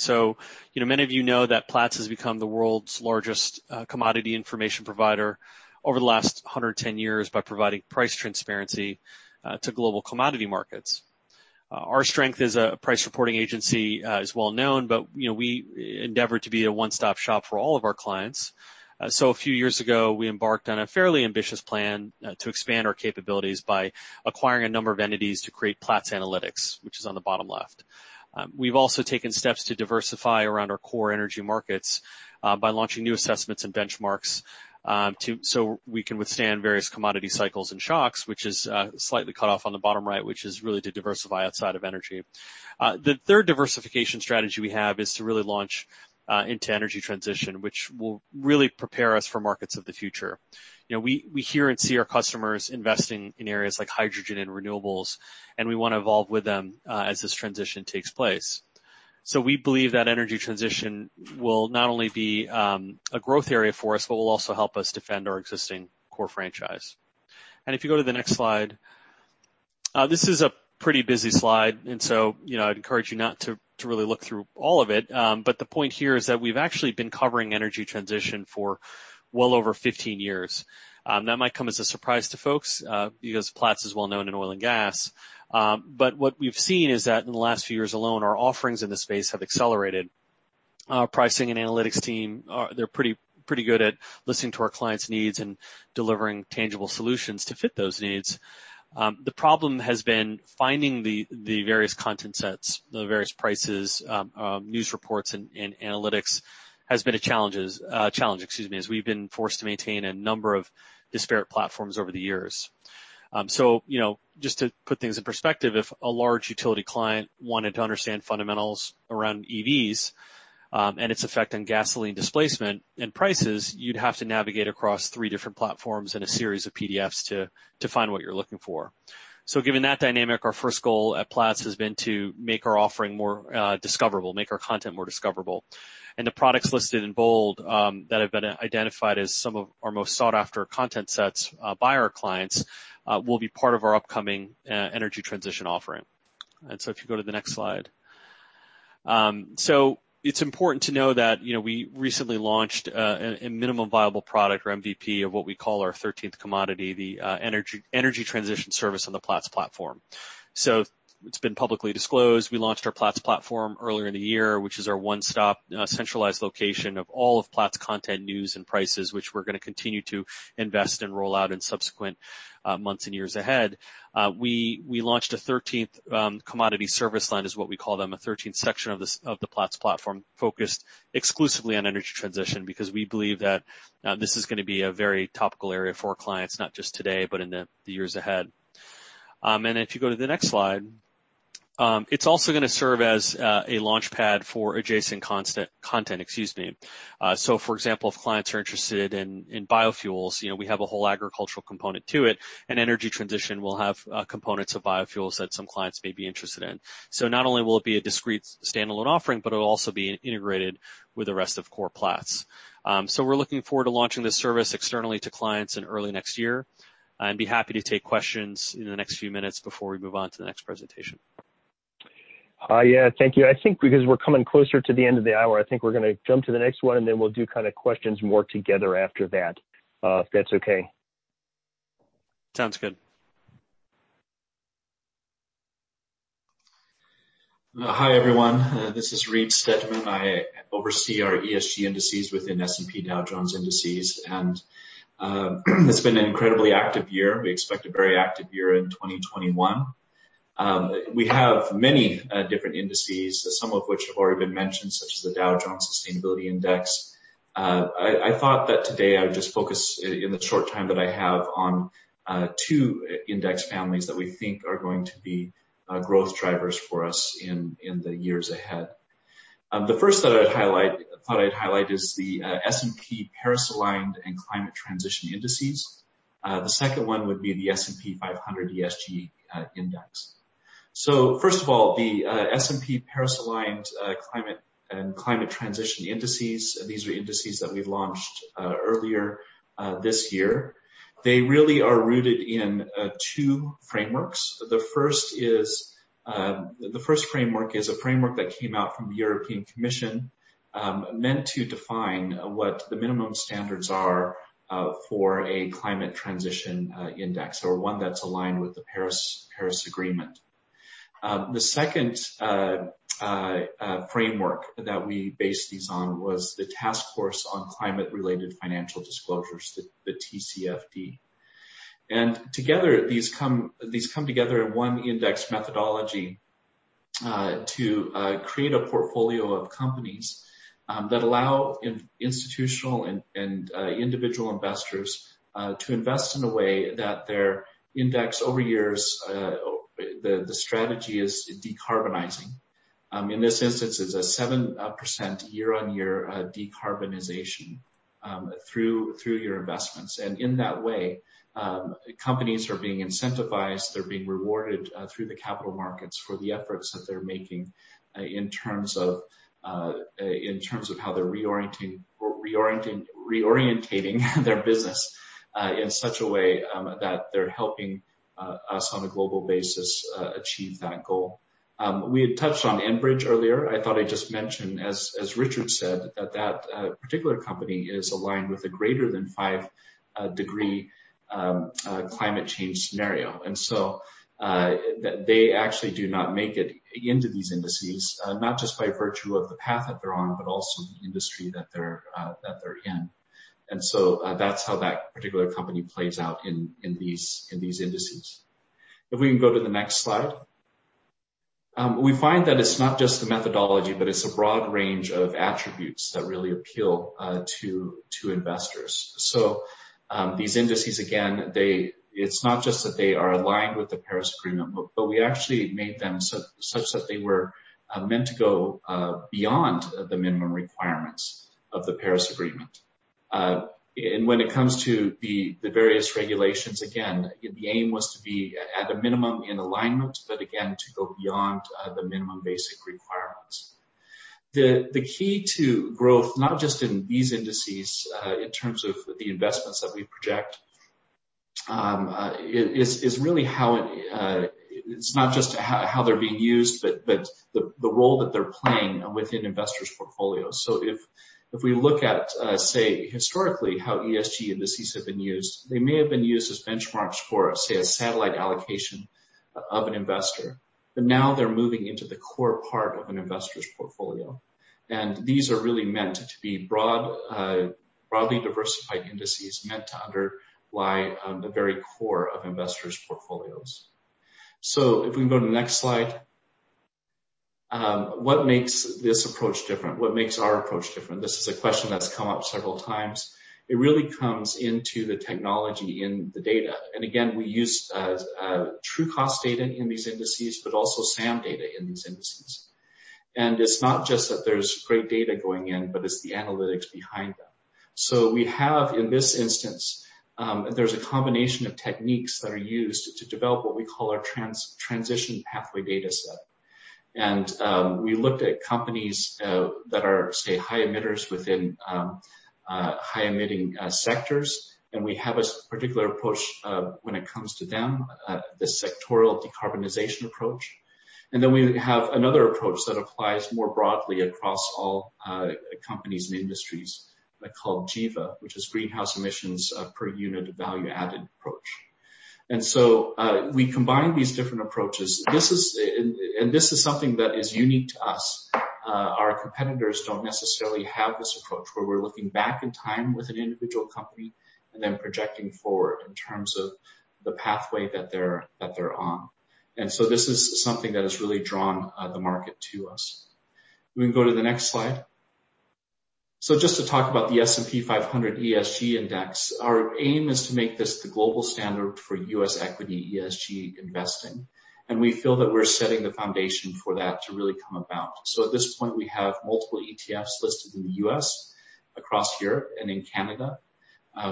F: Many of you know that Platts has become the world's largest commodity information provider over the last 110 years by providing price transparency to global commodity markets. Our strength as a price reporting agency is well known, but we endeavor to be a one-stop shop for all of our clients. A few years ago, we embarked on a fairly ambitious plan to expand our capabilities by acquiring a number of entities to create Platts Analytics, which is on the bottom left. We've also taken steps to diversify around our core energy markets by launching new assessments and benchmarks, so we can withstand various commodity cycles and shocks, which is slightly cut off on the bottom right, which is really to diversify outside of energy. The third diversification strategy we have is to really launch into energy transition, which will really prepare us for markets of the future. We hear and see our customers investing in areas like hydrogen and renewables, and we want to evolve with them as this transition takes place. We believe that energy transition will not only be a growth area for us, but will also help us defend our existing core franchise. If you go to the next slide, this is a pretty busy slide, and so I'd encourage you not to really look through all of it. The point here is that we've actually been covering energy transition for well over 15 years. That might come as a surprise to folks, because Platts is well known in oil and gas. What we've seen is that in the last few years alone, our offerings in this space have accelerated. Our pricing and analytics team, they're pretty good at listening to our clients' needs and delivering tangible solutions to fit those needs. The problem has been finding the various content sets, the various prices, news reports, and analytics, has been a challenge, excuse me, as we've been forced to maintain a number of disparate platforms over the years. Just to put things in perspective, if a large utility client wanted to understand fundamentals around EVs and its effect on gasoline displacement and prices, you'd have to navigate across three different platforms and a series of PDFs to find what you're looking for. Given that dynamic, our first goal at Platts has been to make our offering more discoverable, make our content more discoverable. The products listed in bold, that have been identified as some of our most sought-after content sets by our clients, will be part of our upcoming energy transition offering. If you go to the next slide. It's important to know that we recently launched a minimum viable product, or MVP, of what we call our 13th commodity, the energy transition service on the Platts platform. It's been publicly disclosed. We launched our Platts platform earlier in the year, which is our one-stop, centralized location of all of Platts' content, news, and prices, which we're going to continue to invest and roll out in subsequent months and years ahead. We launched a 13th commodity service line, is what we call them, a 13th section of the Platts platform focused exclusively on energy transition, because we believe that this is going to be a very topical area for our clients, not just today, but in the years ahead. If you go to the next slide. It's also going to serve as a launchpad for adjacent content. For example, if clients are interested in biofuels, we have a whole agricultural component to it, and energy transition will have components of biofuels that some clients may be interested in. Not only will it be a discrete standalone offering, but it will also be integrated with the rest of Core Platts. We're looking forward to launching this service externally to clients in early next year, and be happy to take questions in the next few minutes before we move on to the next presentation.
A: Yeah. Thank you. I think because we're coming closer to the end of the hour, I think we're going to jump to the next one, and then we'll do questions more together after that, if that's okay.
F: Sounds good.
G: Hi, everyone. This is Reid Steadman. I oversee our ESG indices within S&P Dow Jones Indices. It's been an incredibly active year. We expect a very active year in 2021. We have many different indices, some of which have already been mentioned, such as the Dow Jones Sustainability Indices. I thought that today I would just focus, in the short time that I have, on two index families that we think are going to be growth drivers for us in the years ahead. The first that I thought I'd highlight is the S&P Paris-Aligned & Climate Transition Indices. The second one would be the S&P 500 ESG Index. First of all, the S&P Paris-Aligned & Climate Transition Indices, these are indices that we've launched earlier this year. They really are rooted in two frameworks. The first framework is a framework that came out from the European Commission, meant to define what the minimum standards are for a climate transition index, or one that's aligned with the Paris Agreement. The second framework that we based these on was the Task Force on Climate-related Financial Disclosures, the TCFD. These come together in one index methodology to create a portfolio of companies that allow institutional and individual investors to invest in a way that their index over years, the strategy is decarbonizing. In this instance, it's a 7% year-on-year decarbonization through your investments. In that way, companies are being incentivized, they're being rewarded through the capital markets for the efforts that they're making in terms of how they're reorientating their business in such a way that they're helping us on a global basis achieve that goal. We had touched on Enbridge earlier. I thought I'd just mention, as Richard said, that that particular company is aligned with a greater than five degree climate change scenario, they actually do not make it into these indices, not just by virtue of the path that they're on, but also the industry that they're in. That's how that particular company plays out in these indices. If we can go to the next slide. We find that it's not just the methodology, but it's a broad range of attributes that really appeal to investors. These indices, again, it's not just that they are aligned with the Paris Agreement, but we actually made them such that they were meant to go beyond the minimum requirements of the Paris Agreement. When it comes to the various regulations, again, the aim was to be at a minimum in alignment, but again, to go beyond the minimum basic requirements. The key to growth, not just in these indices, in terms of the investments that we project, it's not just how they're being used, but the role that they're playing within investors' portfolios. If we look at, say, historically how ESG indices have been used, they may have been used as benchmarks for, say, a satellite allocation of an investor. Now they're moving into the core part of an investor's portfolio. These are really meant to be broadly diversified indices meant to underlie the very core of investors' portfolios. If we can go to the next slide. What makes this approach different? What makes our approach different? This is a question that's come up several times. It really comes into the technology in the data. Again, we use Trucost data in these indices, but also SAM data in these indices. It's not just that there's great data going in, but it's the analytics behind them. We have, in this instance, there's a combination of techniques that are used to develop what we call our transition pathway data set. We looked at companies that are, say, high emitters within high-emitting sectors, and we have a particular approach when it comes to them, the Sectoral Decarbonization Approach. Then we have another approach that applies more broadly across all companies and industries called GEVA, which is Greenhouse Emissions per Unit of Value Added Approach. We combine these different approaches. This is something that is unique to us. Our competitors don't necessarily have this approach where we're looking back in time with an individual company and then projecting forward in terms of the pathway that they're on. This is something that has really drawn the market to us. We can go to the next slide. Just to talk about the S&P 500 ESG Index, our aim is to make this the global standard for U.S. equity ESG investing, and we feel that we're setting the foundation for that to really come about. At this point, we have multiple ETFs listed in the U.S., across Europe, and in Canada.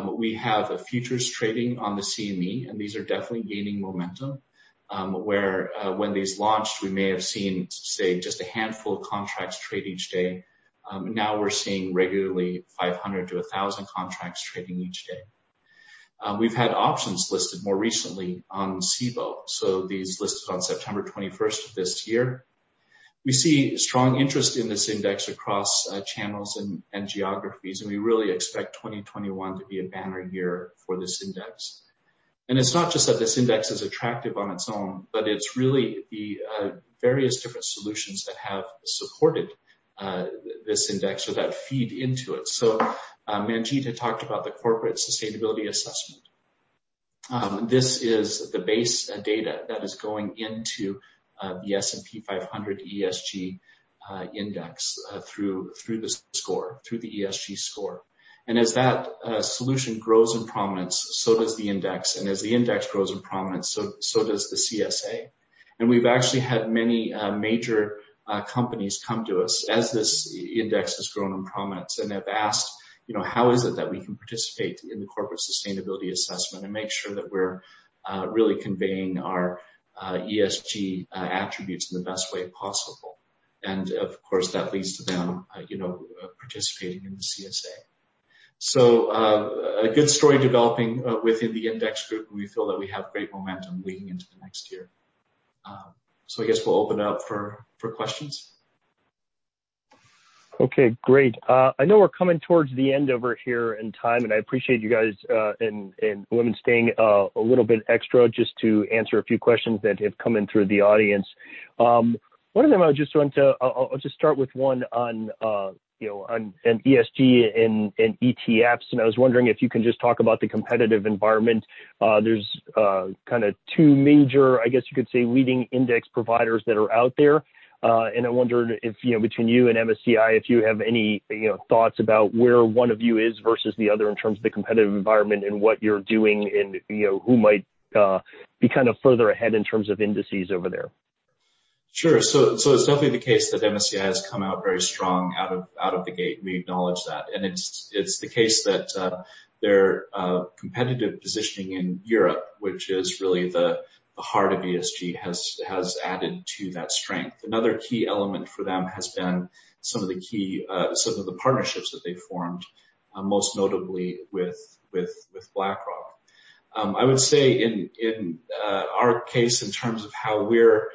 G: We have a futures trading on the CME, and these are definitely gaining momentum, where when these launched, we may have seen, say, just a handful of contracts trade each day. Now we're seeing regularly 500-1,000 contracts trading each day. We've had options listed more recently on Cboe, so these listed on September 21st of this year. We see strong interest in this index across channels and geographies, and we really expect 2021 to be a banner year for this index. It's not just that this index is attractive on its own, but it's really the various different solutions that have supported this index or that feed into it. Manjit had talked about the Corporate Sustainability Assessment. This is the base data that is going into the S&P 500 ESG Index through the ESG score. As that solution grows in prominence, so does the index, and as the index grows in prominence, so does the CSA. We've actually had many major companies come to us as this index has grown in prominence and have asked, "How is it that we can participate in the Corporate Sustainability Assessment and make sure that we're really conveying our ESG attributes in the best way possible?" Of course, that leads to them participating in the CSA. A good story developing within the index group, and we feel that we have great momentum leading into the next year. I guess we'll open it up for questions.
A: Okay, great. I know we're coming towards the end over here in time. I appreciate you guys and women staying a little bit extra just to answer a few questions that have come in through the audience. One of them, I'll just start with one on ESG and ETFs. I was wondering if you can just talk about the competitive environment. There's kind of two major, I guess you could say, leading index providers that are out there. I wondered if between you and MSCI, if you have any thoughts about where one of you is versus the other in terms of the competitive environment and what you're doing and who might be kind of further ahead in terms of indices over there.
G: Sure. It's definitely the case that MSCI has come out very strong out of the gate. We acknowledge that. It's the case that their competitive positioning in Europe, which is really the heart of ESG, has added to that strength. Another key element for them has been some of the partnerships that they formed, most notably with BlackRock. I would say in our case, in terms of how we're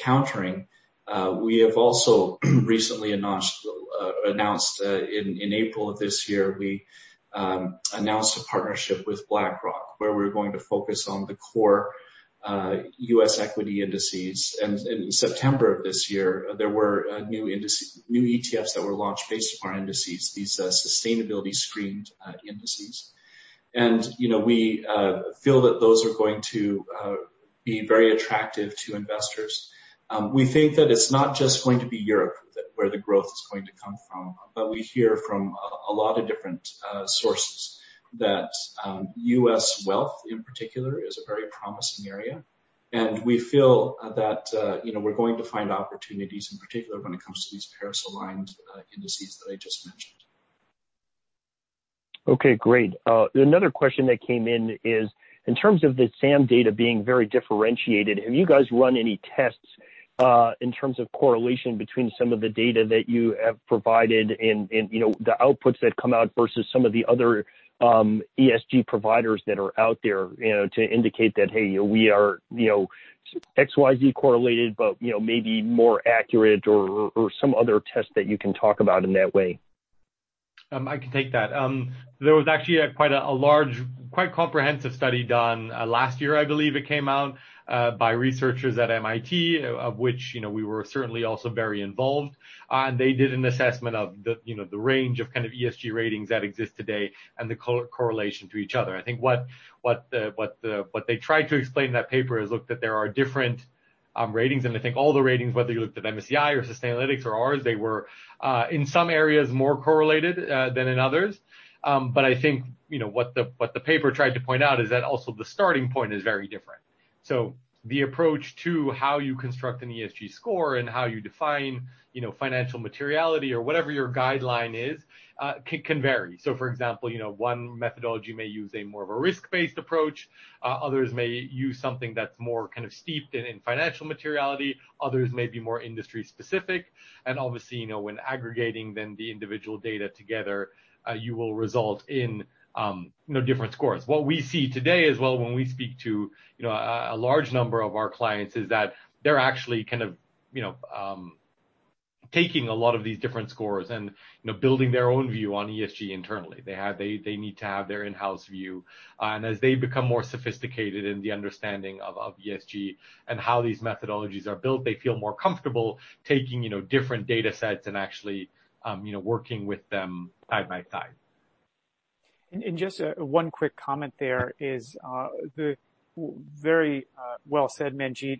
G: countering, we have also recently announced in April of this year, we announced a partnership with BlackRock, where we're going to focus on the core U.S. equity indices. In September of this year, there were new ETFs that were launched based upon indices, these Sustainability Screened Indices. We feel that those are going to be very attractive to investors. We think that it's not just going to be Europe where the growth is going to come from, but we hear from a lot of different sources that U.S. wealth, in particular, is a very promising area, and we feel that we're going to find opportunities, in particular, when it comes to these Paris-aligned indices that I just mentioned.
A: Okay, great. Another question that came in is, in terms of the SAM data being very differentiated, have you guys run any tests in terms of correlation between some of the data that you have provided and the outputs that come out versus some of the other ESG providers that are out there to indicate that, hey, we are XYZ correlated, but maybe more accurate or some other test that you can talk about in that way?
C: I can take that. There was actually quite a large, quite comprehensive study done last year, I believe it came out, by researchers at MIT, of which we were certainly also very involved. They did an assessment of the range of ESG ratings that exist today and the correlation to each other. I think what they tried to explain in that paper is, look, that there are different ratings, and I think all the ratings, whether you looked at MSCI or Sustainalytics or ours, they were in some areas more correlated than in others. I think what the paper tried to point out is that also the starting point is very different. The approach to how you construct an ESG score and how you define financial materiality or whatever your guideline is, can vary. For example, one methodology may use a more of a risk-based approach, others may use something that's more kind of steeped in financial materiality, others may be more industry specific. Obviously, when aggregating then the individual data together, you will result in different scores. What we see today as well when we speak to a large number of our clients is that they're actually kind of taking a lot of these different scores and building their own view on ESG internally. They need to have their in-house view. As they become more sophisticated in the understanding of ESG and how these methodologies are built, they feel more comfortable taking different data sets and actually working with them side by side.
B: Just one quick comment there is, very well said, Manjit.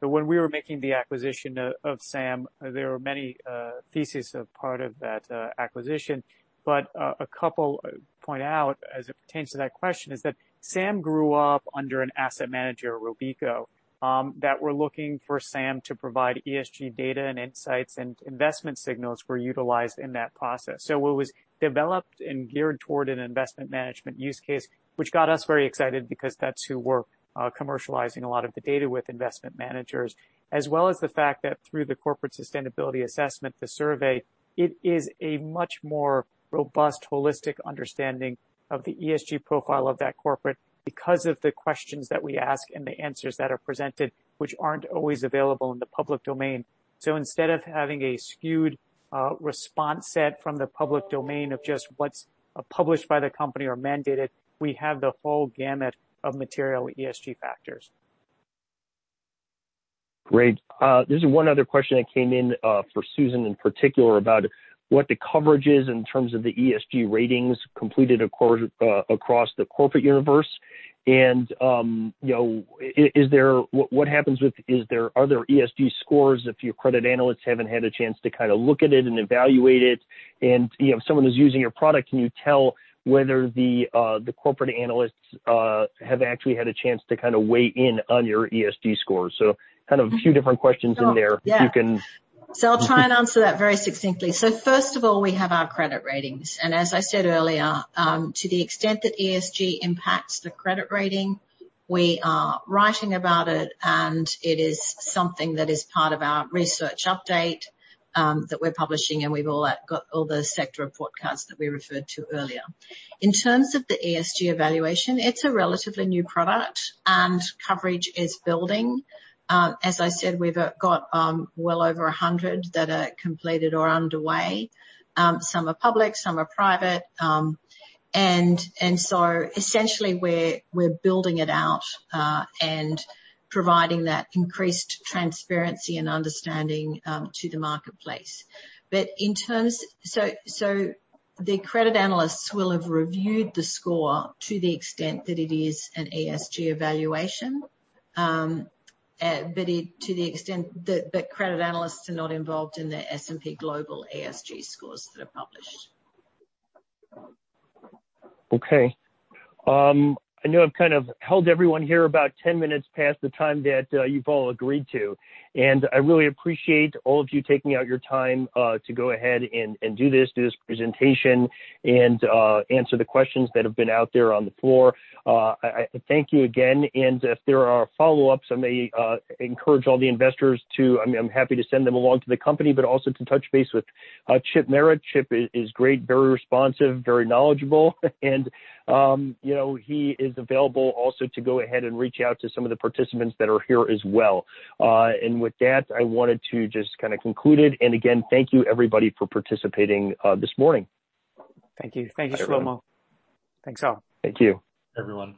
B: When we were making the acquisition of SAM, there were many theses of part of that acquisition. A couple point out, as it pertains to that question, is that SAM grew up under an asset manager, Robeco, that were looking for SAM to provide ESG data and insights, and investment signals were utilized in that process. It was developed and geared toward an investment management use case, which got us very excited because that's who we're commercializing a lot of the data with investment managers. As well as the fact that through the Corporate Sustainability Assessment, the survey, it is a much more robust, holistic understanding of the ESG profile of that corporate because of the questions that we ask and the answers that are presented, which aren't always available in the public domain. Instead of having a skewed response set from the public domain of just what's published by the company or mandated, we have the whole gamut of material ESG factors.
A: Great. There's one other question that came in for Susan in particular about what the coverage is in terms of the ESG ratings completed across the corporate universe. Are there ESG scores if your credit analysts haven't had a chance to look at it and evaluate it? If someone is using your product, can you tell whether the corporate analysts have actually had a chance to weigh in on your ESG scores? A few different questions in there.
E: Yeah.
A: If you can.
E: I'll try and answer that very succinctly. First of all, we have our credit ratings, and as I said earlier, to the extent that ESG impacts the credit rating, we are writing about it, and it is something that is part of our research update, that we're publishing, and we've all got all those sector broadcasts that we referred to earlier. In terms of the ESG Evaluation, it's a relatively new product and coverage is building. As I said, we've got well over 100 that are completed or underway. Some are public, some are private. Essentially, we're building it out, and providing that increased transparency and understanding to the marketplace. The credit analysts will have reviewed the score to the extent that it is an ESG Evaluation. Credit analysts are not involved in the S&P Global ESG scores that are published.
A: Okay. I know I've held everyone here about 10 minutes past the time that you've all agreed to, I really appreciate all of you taking out your time to go ahead and do this presentation and answer the questions that have been out there on the floor. Thank you again. If there are follow-ups, I may encourage all the investors to I'm happy to send them along to the company, but also to touch base with Chip Merritt. Chip is great, very responsive, very knowledgeable, and he is available also to go ahead and reach out to some of the participants that are here as well. With that, I wanted to just conclude it. Again, thank you everybody for participating this morning.
B: Thank you. Thank you, Shlomo. Thanks all.
A: Thank you.
C: Everyone